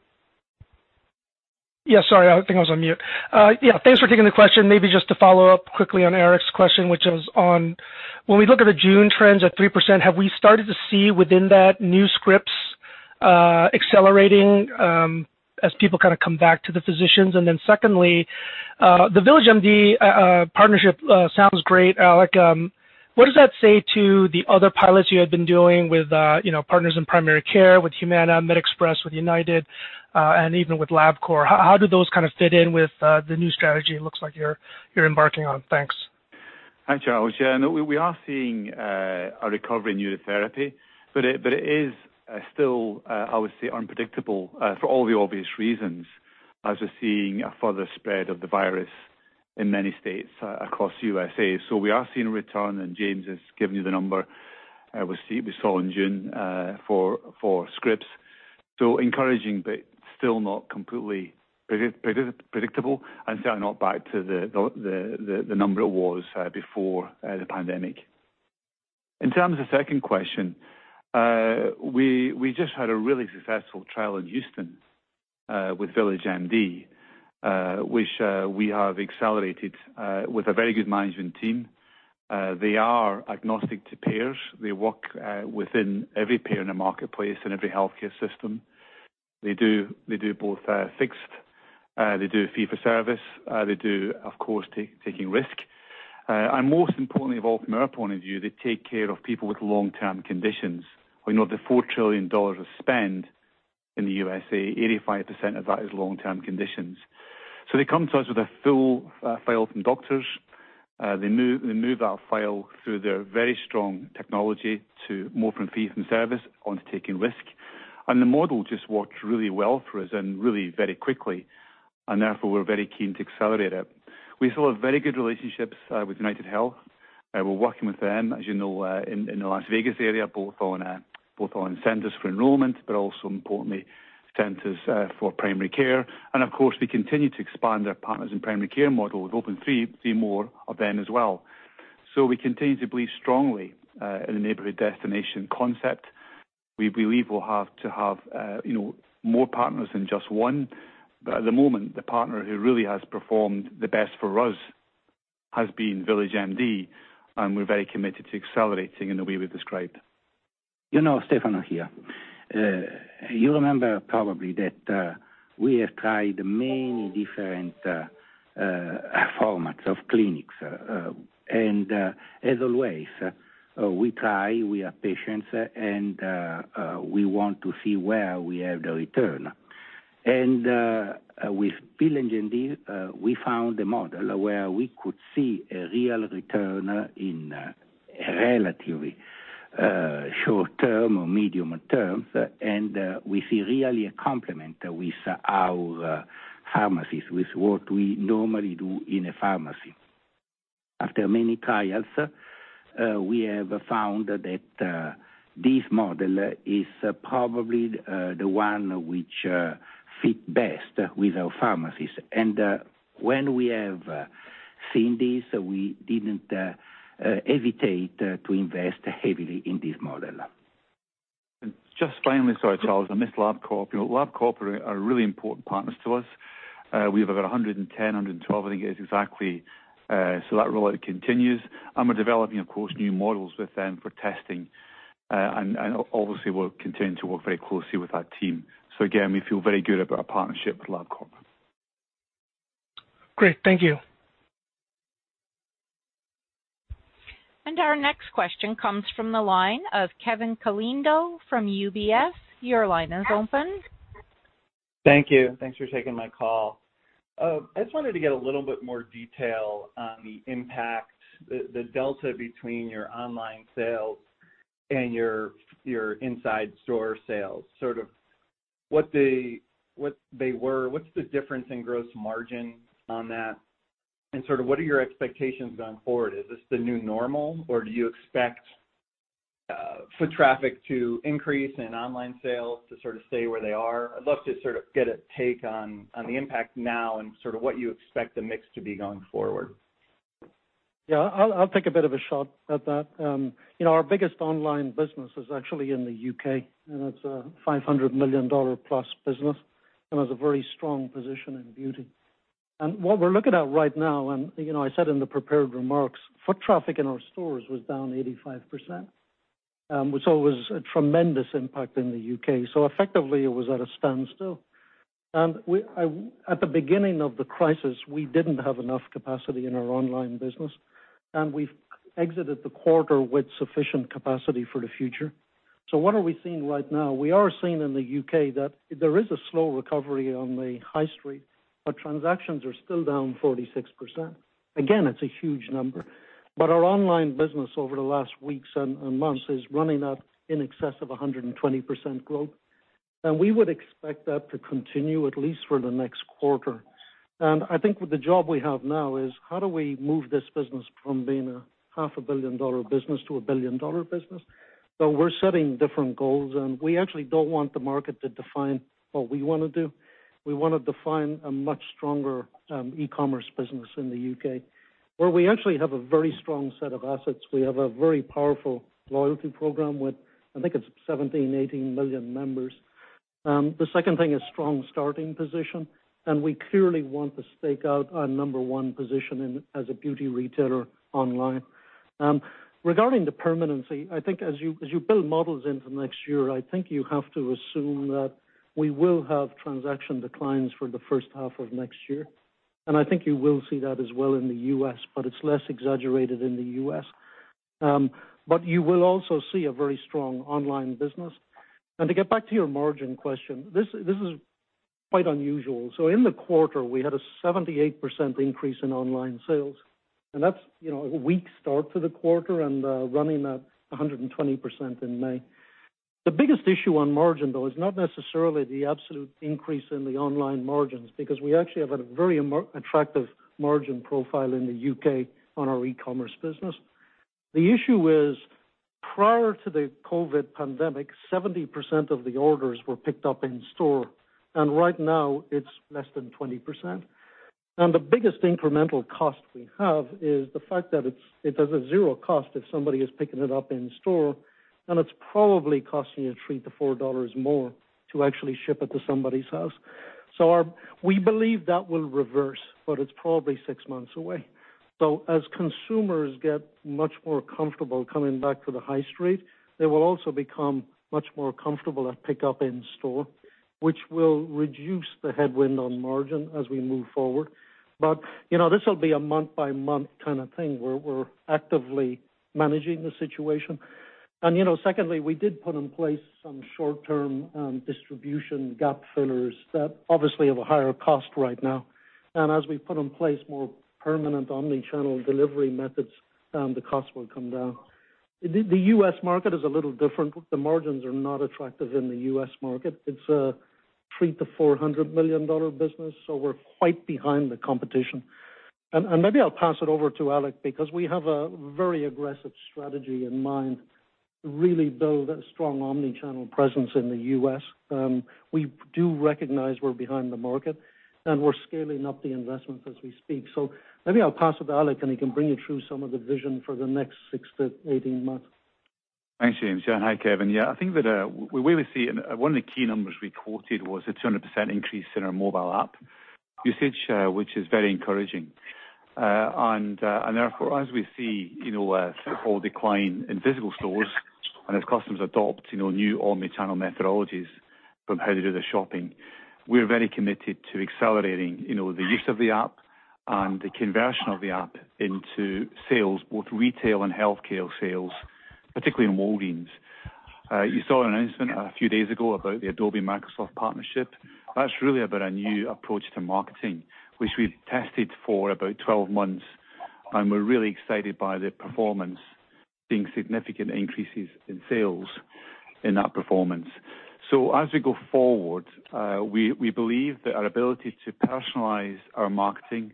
Yeah, sorry. I think I was on mute. Yeah. Thanks for taking the question. Maybe just to follow up quickly on Eric's question, which is on, when we look at the June trends at 3%, have we started to see within that new scripts accelerating as people kind of come back to the physicians? Secondly, the VillageMD partnership sounds great, Alex. What does that say to the other pilots you had been doing with Partners in Primary Care, with Humana, MedExpress, with United, and even with Labcorp? How do those kind of fit in with the new strategy it looks like you're embarking on? Thanks. Hi, Charles. We are seeing a recovery in new therapy, but it is still, I would say, unpredictable for all the obvious reasons, as we're seeing a further spread of the virus in many states across USA. We are seeing a return, and James has given you the number we saw in June for scripts. Encouraging, but still not completely predictable and still not back to the number it was before the pandemic. In terms of second question, we just had a really successful trial in Houston, with VillageMD, which we have accelerated, with a very good management team. They are agnostic to payers. They work within every payer in the marketplace and every healthcare system. They do both fixed, they do fee for service. They do, of course, taking risk. Most importantly of all, from our point of view, they take care of people with long-term conditions. We know the $4 trillion of spend in the U.S.A., 85% of that is long-term conditions. They come to us with a full file from doctors. They move that file through their very strong technology to move from fee for service onto taking risk. The model just worked really well for us and really very quickly, and therefore, we're very keen to accelerate it. We still have very good relationships with UnitedHealth. We're working with them, as you know, in the Las Vegas area, both on centers for enrollment, but also importantly, centers for primary care. Of course, we continue to expand our Partners in Primary Care model opening three more of them as well. We continue to believe strongly in the neighborhood destination concept. We believe we'll have to have more partners than just one. At the moment, the partner who really has performed the best for us has been VillageMD, and we're very committed to accelerating in the way we've described. Stefano here. You remember probably that we have tried many different formats of clinics, and as always, we try, we are patient, and we want to see where we have the return. With VillageMD, we found a model where we could see a real return in relatively short term or medium term, and we see really a complement with our pharmacies, with what we normally do in a pharmacy. After many trials, we have found that this model is probably the one which fit best with our pharmacies. When we have seen this, we didn't hesitate to invest heavily in this model. Just finally, sorry, Charles, I missed Labcorp. Labcorp are really important partners to us. We have about 110, 112, I think it is exactly. That really continues. We're developing, of course, new models with them for testing. Obviously, we'll continue to work very closely with that team. Again, we feel very good about our partnership with Labcorp. Great. Thank you. Our next question comes from the line of Kevin Caliendo from UBS. Your line is open. Thank you. Thanks for taking my call. I just wanted to get a little bit more detail on the impact, the delta between your online sales and your inside store sales, sort of what they were, what's the difference in gross margin on that, and sort of what are your expectations going forward? Is this the new normal, or do you expect foot traffic to increase and online sales to sort of stay where they are? I'd love to sort of get a take on the impact now and sort of what you expect the mix to be going forward. Yeah, I'll take a bit of a shot at that. Our biggest online business is actually in the U.K., it's a $500 million-plus business, and has a very strong position in beauty. What we're looking at right now, I said in the prepared remarks, foot traffic in our stores was down 85%, it was a tremendous impact in the U.K., effectively it was at a standstill. At the beginning of the crisis, we didn't have enough capacity in our online business, we've exited the quarter with sufficient capacity for the future. What are we seeing right now? We are seeing in the U.K. that there is a slow recovery on the high street, transactions are still down 46%. Again, it's a huge number. Our online business over the last weeks and months is running at in excess of 120% growth. We would expect that to continue at least for the next quarter. I think with the job we have now is, how do we move this business from being a half a billion-dollar business to a billion-dollar business? We're setting different goals, and we actually don't want the market to define what we want to do. We want to define a much stronger e-commerce business in the U.K., where we actually have a very strong set of assets. We have a very powerful loyalty program with, I think it's 17, 18 million members. The second thing is strong starting position, and we clearly want to stake out our number one position as a beauty retailer online. Regarding the permanency, I think as you build models into next year, I think you have to assume that we will have transaction declines for the first half of next year. I think you will see that as well in the U.S., but it's less exaggerated in the U.S. You will also see a very strong online business. To get back to your margin question, this is quite unusual. In the quarter, we had a 78% increase in online sales, and that's a weak start to the quarter and running at 120% in May. The biggest issue on margin, though, is not necessarily the absolute increase in the online margins, because we actually have a very attractive margin profile in the U.K. on our e-commerce business. The issue is, prior to the COVID pandemic, 70% of the orders were picked up in store, and right now it's less than 20%. The biggest incremental cost we have is the fact that it has a zero cost if somebody is picking it up in store, and it's probably costing you $3-$4 more to actually ship it to somebody's house. We believe that will reverse, but it's probably six months away. As consumers get much more comfortable coming back to the high street, they will also become much more comfortable at pick up in store, which will reduce the headwind on margin as we move forward. This will be a month-by-month kind of thing, where we're actively managing the situation. Secondly, we did put in place some short-term distribution gap fillers that obviously have a higher cost right now. As we put in place more permanent omni-channel delivery methods, the cost will come down. The U.S. market is a little different. The margins are not attractive in the U.S. market. It's a $300 million-$400 million business. We're quite behind the competition. Maybe I'll pass it over to Alex because we have a very aggressive strategy in mind to really build a strong omni-channel presence in the U.S. We do recognize we're behind the market. We're scaling up the investments as we speak. Maybe I'll pass it to Alex. He can bring you through some of the vision for the next six to 18 months. Thanks, James. Hi, Kevin. I think that we really see, and one of the key numbers we quoted was a 200% increase in our mobile app usage, which is very encouraging. Therefore, as we see a decline in physical stores and as customers adopt new omni-channel methodologies from how they do their shopping, we're very committed to accelerating the use of the app and the conversion of the app into sales, both retail and healthcare sales, particularly in Walgreens. You saw an announcement a few days ago about the Adobe-Microsoft partnership. That's really about our new approach to marketing, which we've tested for about 12 months, and we're really excited by the performance, seeing significant increases in sales in that performance. As we go forward, we believe that our ability to personalize our marketing,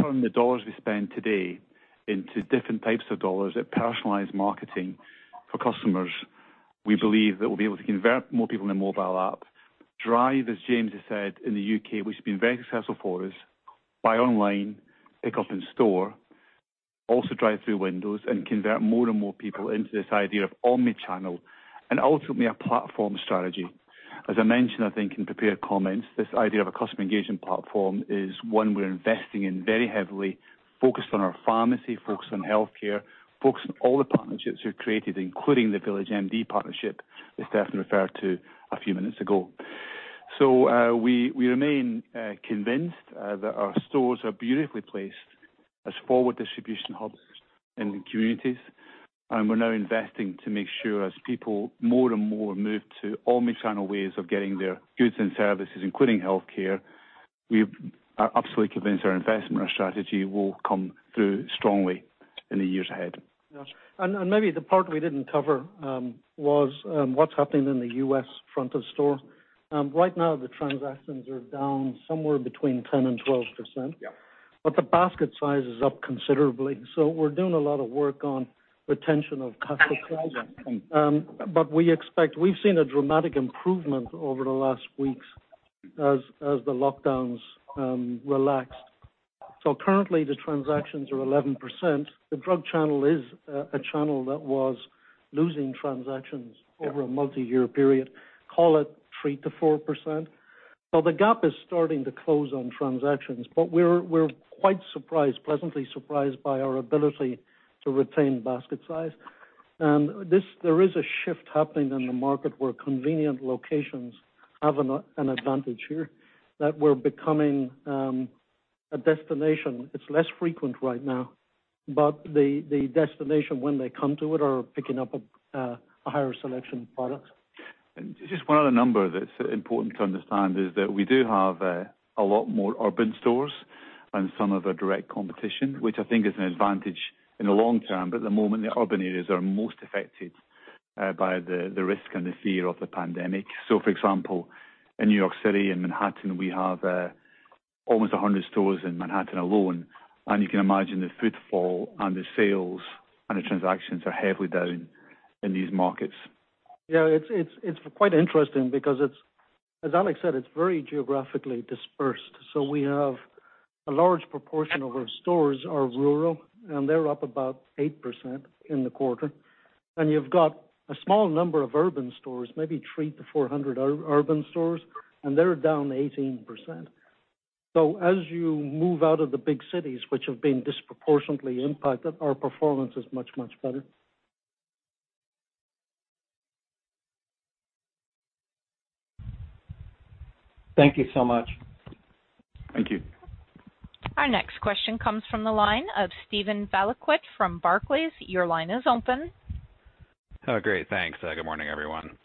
turn the dollars we spend today into different types of dollars that personalize marketing for customers, we believe that we'll be able to convert more people in the mobile app. Drive, as James has said, in the U.K., which has been very successful for us, buy online, pick up in store, also drive-through windows, and convert more and more people into this idea of omni-channel and ultimately a platform strategy. As I mentioned, I think, in prepared comments, this idea of a customer engagement platform is one we're investing in very heavily, focused on our pharmacy, focused on healthcare, focused on all the partnerships we've created, including the VillageMD partnership that Stefano referred to a few minutes ago. We remain convinced that our stores are beautifully placed as forward distribution hubs in the communities. We're now investing to make sure as people more and more move to omni-channel ways of getting their goods and services, including healthcare, we are absolutely convinced our investment, our strategy will come through strongly in the years ahead. Yes. Maybe the part we didn't cover was what's happening in the U.S. front of store. Right now, the transactions are down somewhere between 10% and 12%. Yeah. The basket size is up considerably. We're doing a lot of work on retention of customer transactions. We expect we've seen a dramatic improvement over the last weeks as the lockdowns relaxed. Currently, the transactions are 11%. The drug channel is a channel that was losing transactions over a multi-year period, call it 3%-4%. The gap is starting to close on transactions, but we're quite surprised, pleasantly surprised by our ability to retain basket size. There is a shift happening in the market where convenient locations have an advantage here that we're becoming a destination. It's less frequent right now, but the destination when they come to it are picking up a higher selection of products. Just one other number that's important to understand is that we do have a lot more urban stores than some of the direct competition, which I think is an advantage in the long term. At the moment, the urban areas are most affected by the risk and the fear of the pandemic. For example, in New York City, in Manhattan, we have almost 100 stores in Manhattan alone, and you can imagine the footfall and the sales and the transactions are heavily down in these markets. It's quite interesting because as Alex said, it's very geographically dispersed. We have a large proportion of our stores are rural, and they're up about 8% in the quarter. You've got a small number of urban stores, maybe 300-400 urban stores, and they're down 18%. As you move out of the big cities, which have been disproportionately impacted, our performance is much better. Thank you so much. Thank you. Our next question comes from the line of Steven Valiquette from Barclays. Your line is open. Oh, great. Thanks. Good morning, everyone.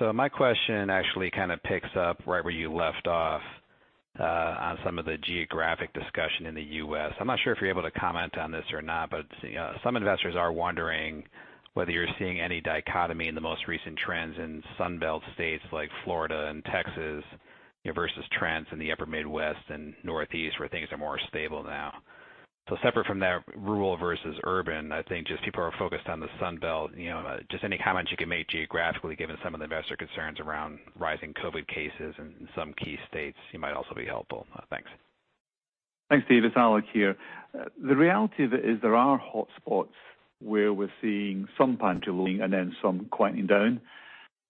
My question actually kind of picks up right where you left off on some of the geographic discussion in the U.S. I'm not sure if you're able to comment on this or not, but some investors are wondering whether you're seeing any dichotomy in the most recent trends in Sun Belt states like Florida and Texas versus trends in the upper Midwest and Northeast where things are more stable now. Separate from that rural versus urban, I think just people are focused on the Sun Belt. Just any comment you can make geographically, given some of the investor concerns around rising COVID cases in some key states, you might also be helpful. Thanks. Thanks, Steve. It's Alex here. The reality of it is there are hotspots where we're seeing some pantry loading and then some quietening down.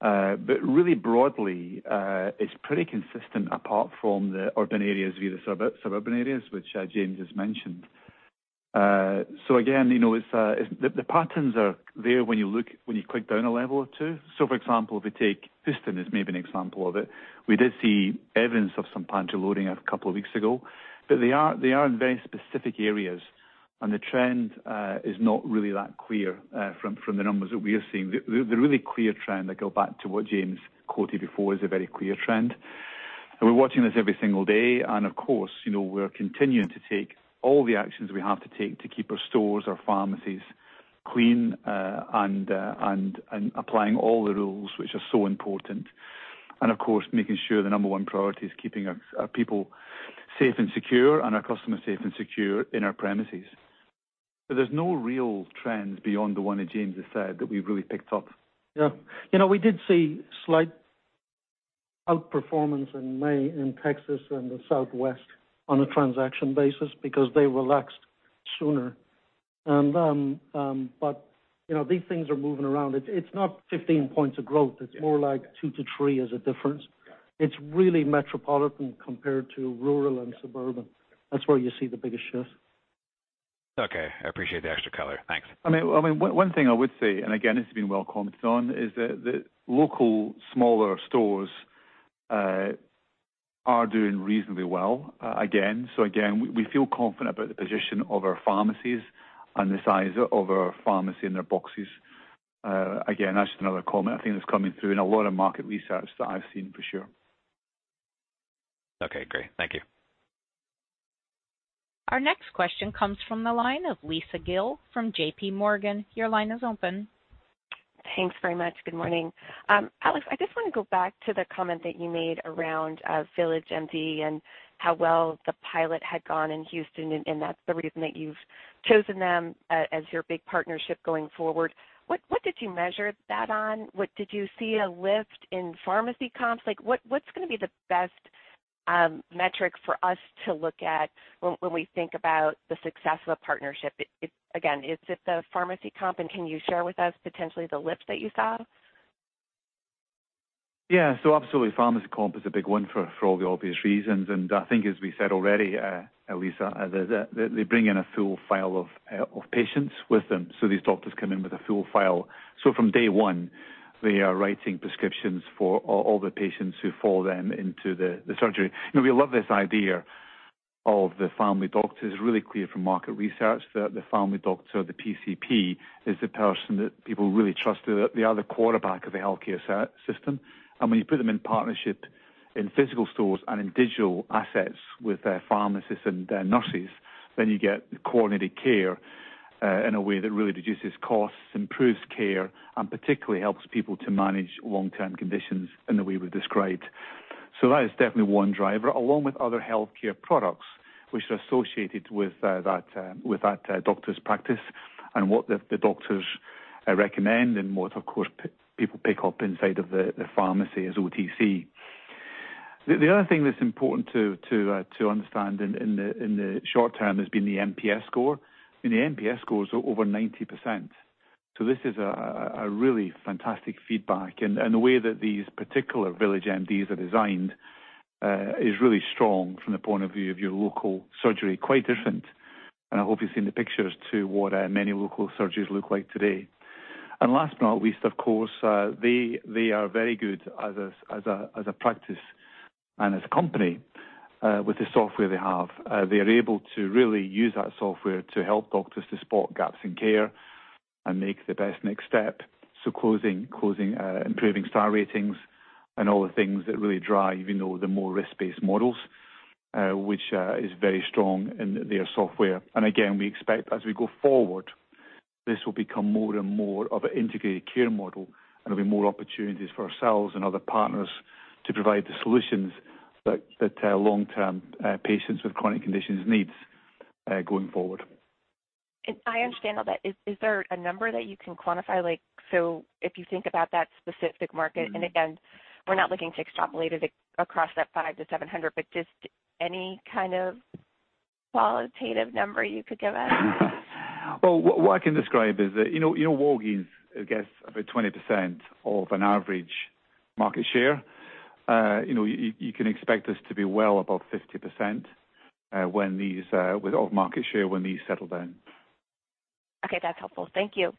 Really broadly, it's pretty consistent apart from the urban areas via the suburban areas, which James has mentioned. Again, the patterns are there when you click down a level or two. For example, if we take Houston as maybe an example of it, we did see evidence of some pantry loading a couple of weeks ago, but they are in very specific areas. The trend is not really that clear from the numbers that we are seeing. The really clear trend, I go back to what James quoted before, is a very clear trend. We're watching this every single day. Of course, we're continuing to take all the actions we have to take to keep our stores, our pharmacies clean, and applying all the rules which are so important. Of course, making sure the number one priority is keeping our people safe and secure and our customers safe and secure in our premises. There's no real trends beyond the one that James has said that we've really picked up. Yeah. We did see slight outperformance in May in Texas and the Southwest on a transaction basis because they relaxed sooner. These things are moving around. It's not 15 points of growth. Yeah. It's more like two to three as a difference. Yeah. It's really metropolitan compared to rural and suburban. That's where you see the biggest shift. Okay. I appreciate the extra color. Thanks. One thing I would say, and again, this has been well commented on, is that the local smaller stores are doing reasonably well, again. Again, we feel confident about the position of our pharmacies and the size of our pharmacy and their boxes. Again, that's just another comment I think that's coming through in a lot of market research that I've seen for sure. Okay, great. Thank you. Our next question comes from the line of Lisa Gill from J.P. Morgan. Your line is open. Thanks very much. Good morning. Alex, I just want to go back to the comment that you made around VillageMD and how well the pilot had gone in Houston, and that's the reason that you've chosen them as your big partnership going forward. What did you measure that on? Did you see a lift in pharmacy comps? What's going to be the best metric for us to look at when we think about the success of a partnership? Again, is it the pharmacy comp? Can you share with us potentially the lift that you saw? Yeah. Absolutely, pharmacy comp is a big one for all the obvious reasons. I think as we said already, Lisa, they bring in a full file of patients with them. These doctors come in with a full file. From day one, they are writing prescriptions for all the patients who fall then into the surgery. We love this idea of the family doctors. It's really clear from market research that the family doctor, the PCP, is the person that people really trust. They are the quarterback of the healthcare system. When you put them in partnership in physical stores and in digital assets with their pharmacists and their nurses, then you get coordinated care in a way that really reduces costs, improves care, and particularly helps people to manage long-term conditions in the way we've described. That is definitely one driver, along with other healthcare products which are associated with that doctor's practice and what the doctors recommend and what, of course, people pick up inside of the pharmacy as OTC. The other thing that's important to understand in the short term has been the NPS score. The NPS score is over 90%. This is a really fantastic feedback. The way that these particular VillageMDs are designed is really strong from the point of view of your local surgery, quite different, and I hope you've seen the pictures, to what many local surgeries look like today. Last but not least, of course, they are very good as a practice and as a company with the software they have. They are able to really use that software to help doctors to spot gaps in care and make the best next step. Closing, improving Star Ratings and all the things that really drive the more risk-based models, which is very strong in their software. Again, we expect as we go forward, this will become more and more of an integrated care model and there'll be more opportunities for ourselves and other partners to provide the solutions that long-term patients with chronic conditions need going forward. I understand all that. Is there a number that you can quantify? If you think about that specific market, and again, we're not looking to extrapolate it across that five to 700, but just any kind of qualitative number you could give us? Well, what I can describe is that Walgreens gets about 20% of an average market share. You can expect this to be well above 50% of market share when these settle down. Okay, that's helpful. Thank you.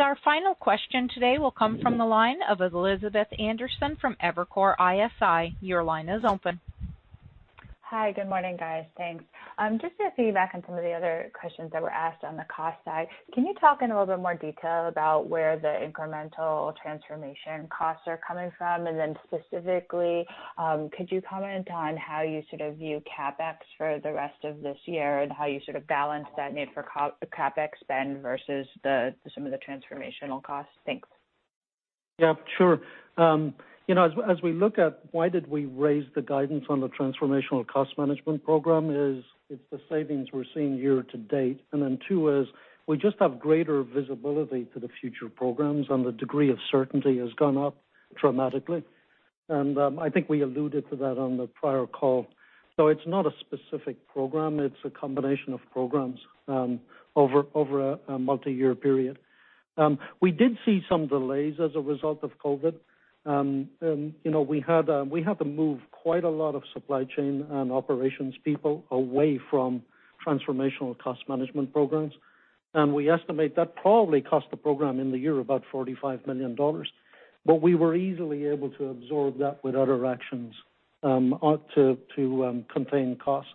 Our final question today will come from the line of Elizabeth Anderson from Evercore ISI. Your line is open. Hi. Good morning, guys. Thanks. Just piggy-backing some of the other questions that were asked on the cost side, can you talk in a little bit more detail about where the incremental transformation costs are coming from? Specifically, could you comment on how you view CapEx for the rest of this year and how you sort of balance that need for CapEx spend versus some of the transformational costs? Thanks. Yeah, sure. As we look at why did we raise the guidance on the Transformational Cost Management Program is, it's the savings we're seeing year to date. Then two is, we just have greater visibility to the future programs, and the degree of certainty has gone up dramatically. I think we alluded to that on the prior call. It's not a specific program. It's a combination of programs over a multi-year period. We did see some delays as a result of COVID. We had to move quite a lot of supply chain and operations people away from Transformational Cost Management Programs. We estimate that probably cost the program in the year about $45 million. We were easily able to absorb that with other actions to contain costs.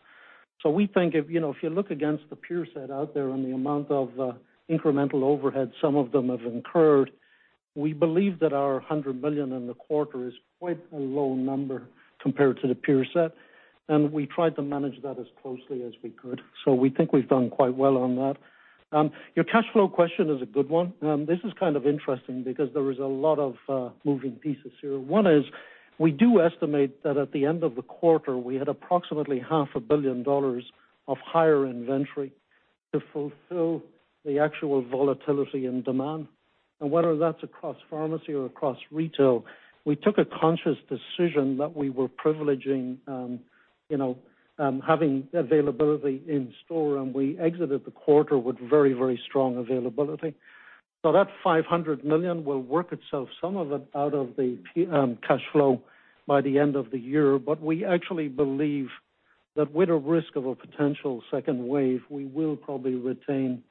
We think if you look against the peer set out there and the amount of incremental overhead some of them have incurred, we believe that our $100 million in the quarter is quite a low number compared to the peer set, and we tried to manage that as closely as we could. We think we've done quite well on that. Your cash flow question is a good one. This is kind of interesting because there is a lot of moving pieces here. One is, we do estimate that at the end of the quarter, we had approximately half a billion dollars of higher inventory to fulfill the actual volatility in demand. Whether that's across pharmacy or across retail, we took a conscious decision that we were privileging having availability in store, and we exited the quarter with very strong availability. That $500 million will work itself, some of it, out of the cash flow by the end of the year. We actually believe that with the risk of a potential second wave, we will probably retain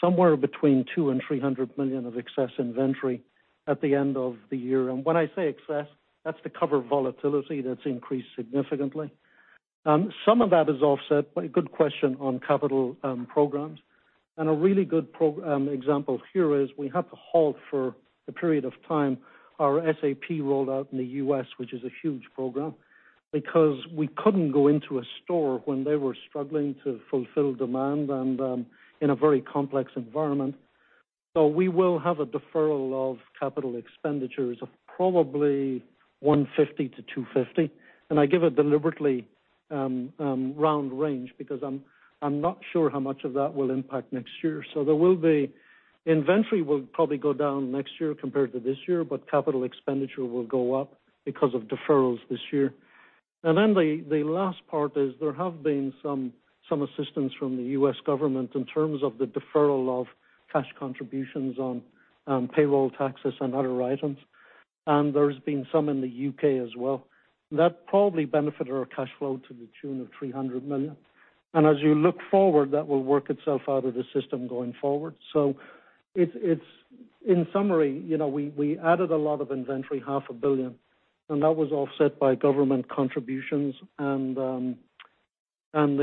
somewhere between $200 million-$300 million of excess inventory at the end of the year. When I say excess, that's to cover volatility that's increased significantly. Some of that is offset by, good question on capital programs. A really good example here is we had to halt for a period of time our SAP rollout in the U.S., which is a huge program, because we couldn't go into a store when they were struggling to fulfill demand and in a very complex environment. We will have a deferral of capital expenditures of probably $150 million-$250 million. I give a deliberately round range because I'm not sure how much of that will impact next year. Inventory will probably go down next year compared to this year, but capital expenditure will go up because of deferrals this year. The last part is there have been some assistance from the U.S. government in terms of the deferral of cash contributions on payroll taxes and other items, and there's been some in the U.K. as well. That probably benefited our cash flow to the tune of $300 million. As you look forward, that will work itself out of the system going forward. In summary, we added a lot of inventory, half a billion, and that was offset by government contributions and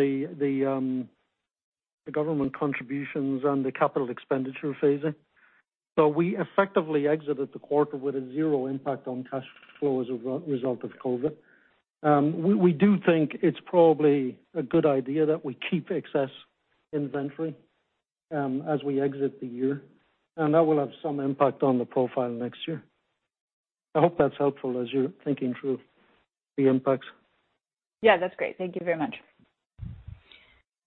the capital expenditure phasing. We effectively exited the quarter with a zero impact on cash flow as a result of COVID. We do think it's probably a good idea that we keep excess inventory as we exit the year, and that will have some impact on the profile next year. I hope that's helpful as you're thinking through the impacts. Yeah, that's great. Thank you very much.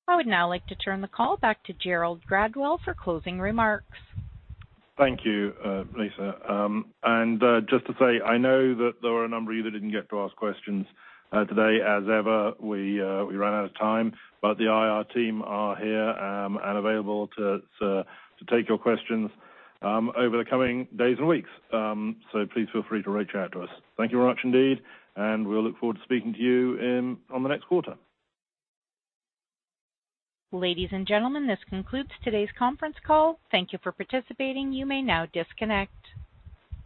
I would now like to turn the call back to Gerald Gradwell for closing remarks. Thank you, Lisa. Just to say, I know that there were a number of you that didn't get to ask questions today. As ever, we ran out of time, but the IR team are here and available to take your questions over the coming days and weeks. Please feel free to reach out to us. Thank you very much indeed, and we'll look forward to speaking to you on the next quarter. Ladies and gentlemen, this concludes today's conference call. Thank you for participating. You may now disconnect.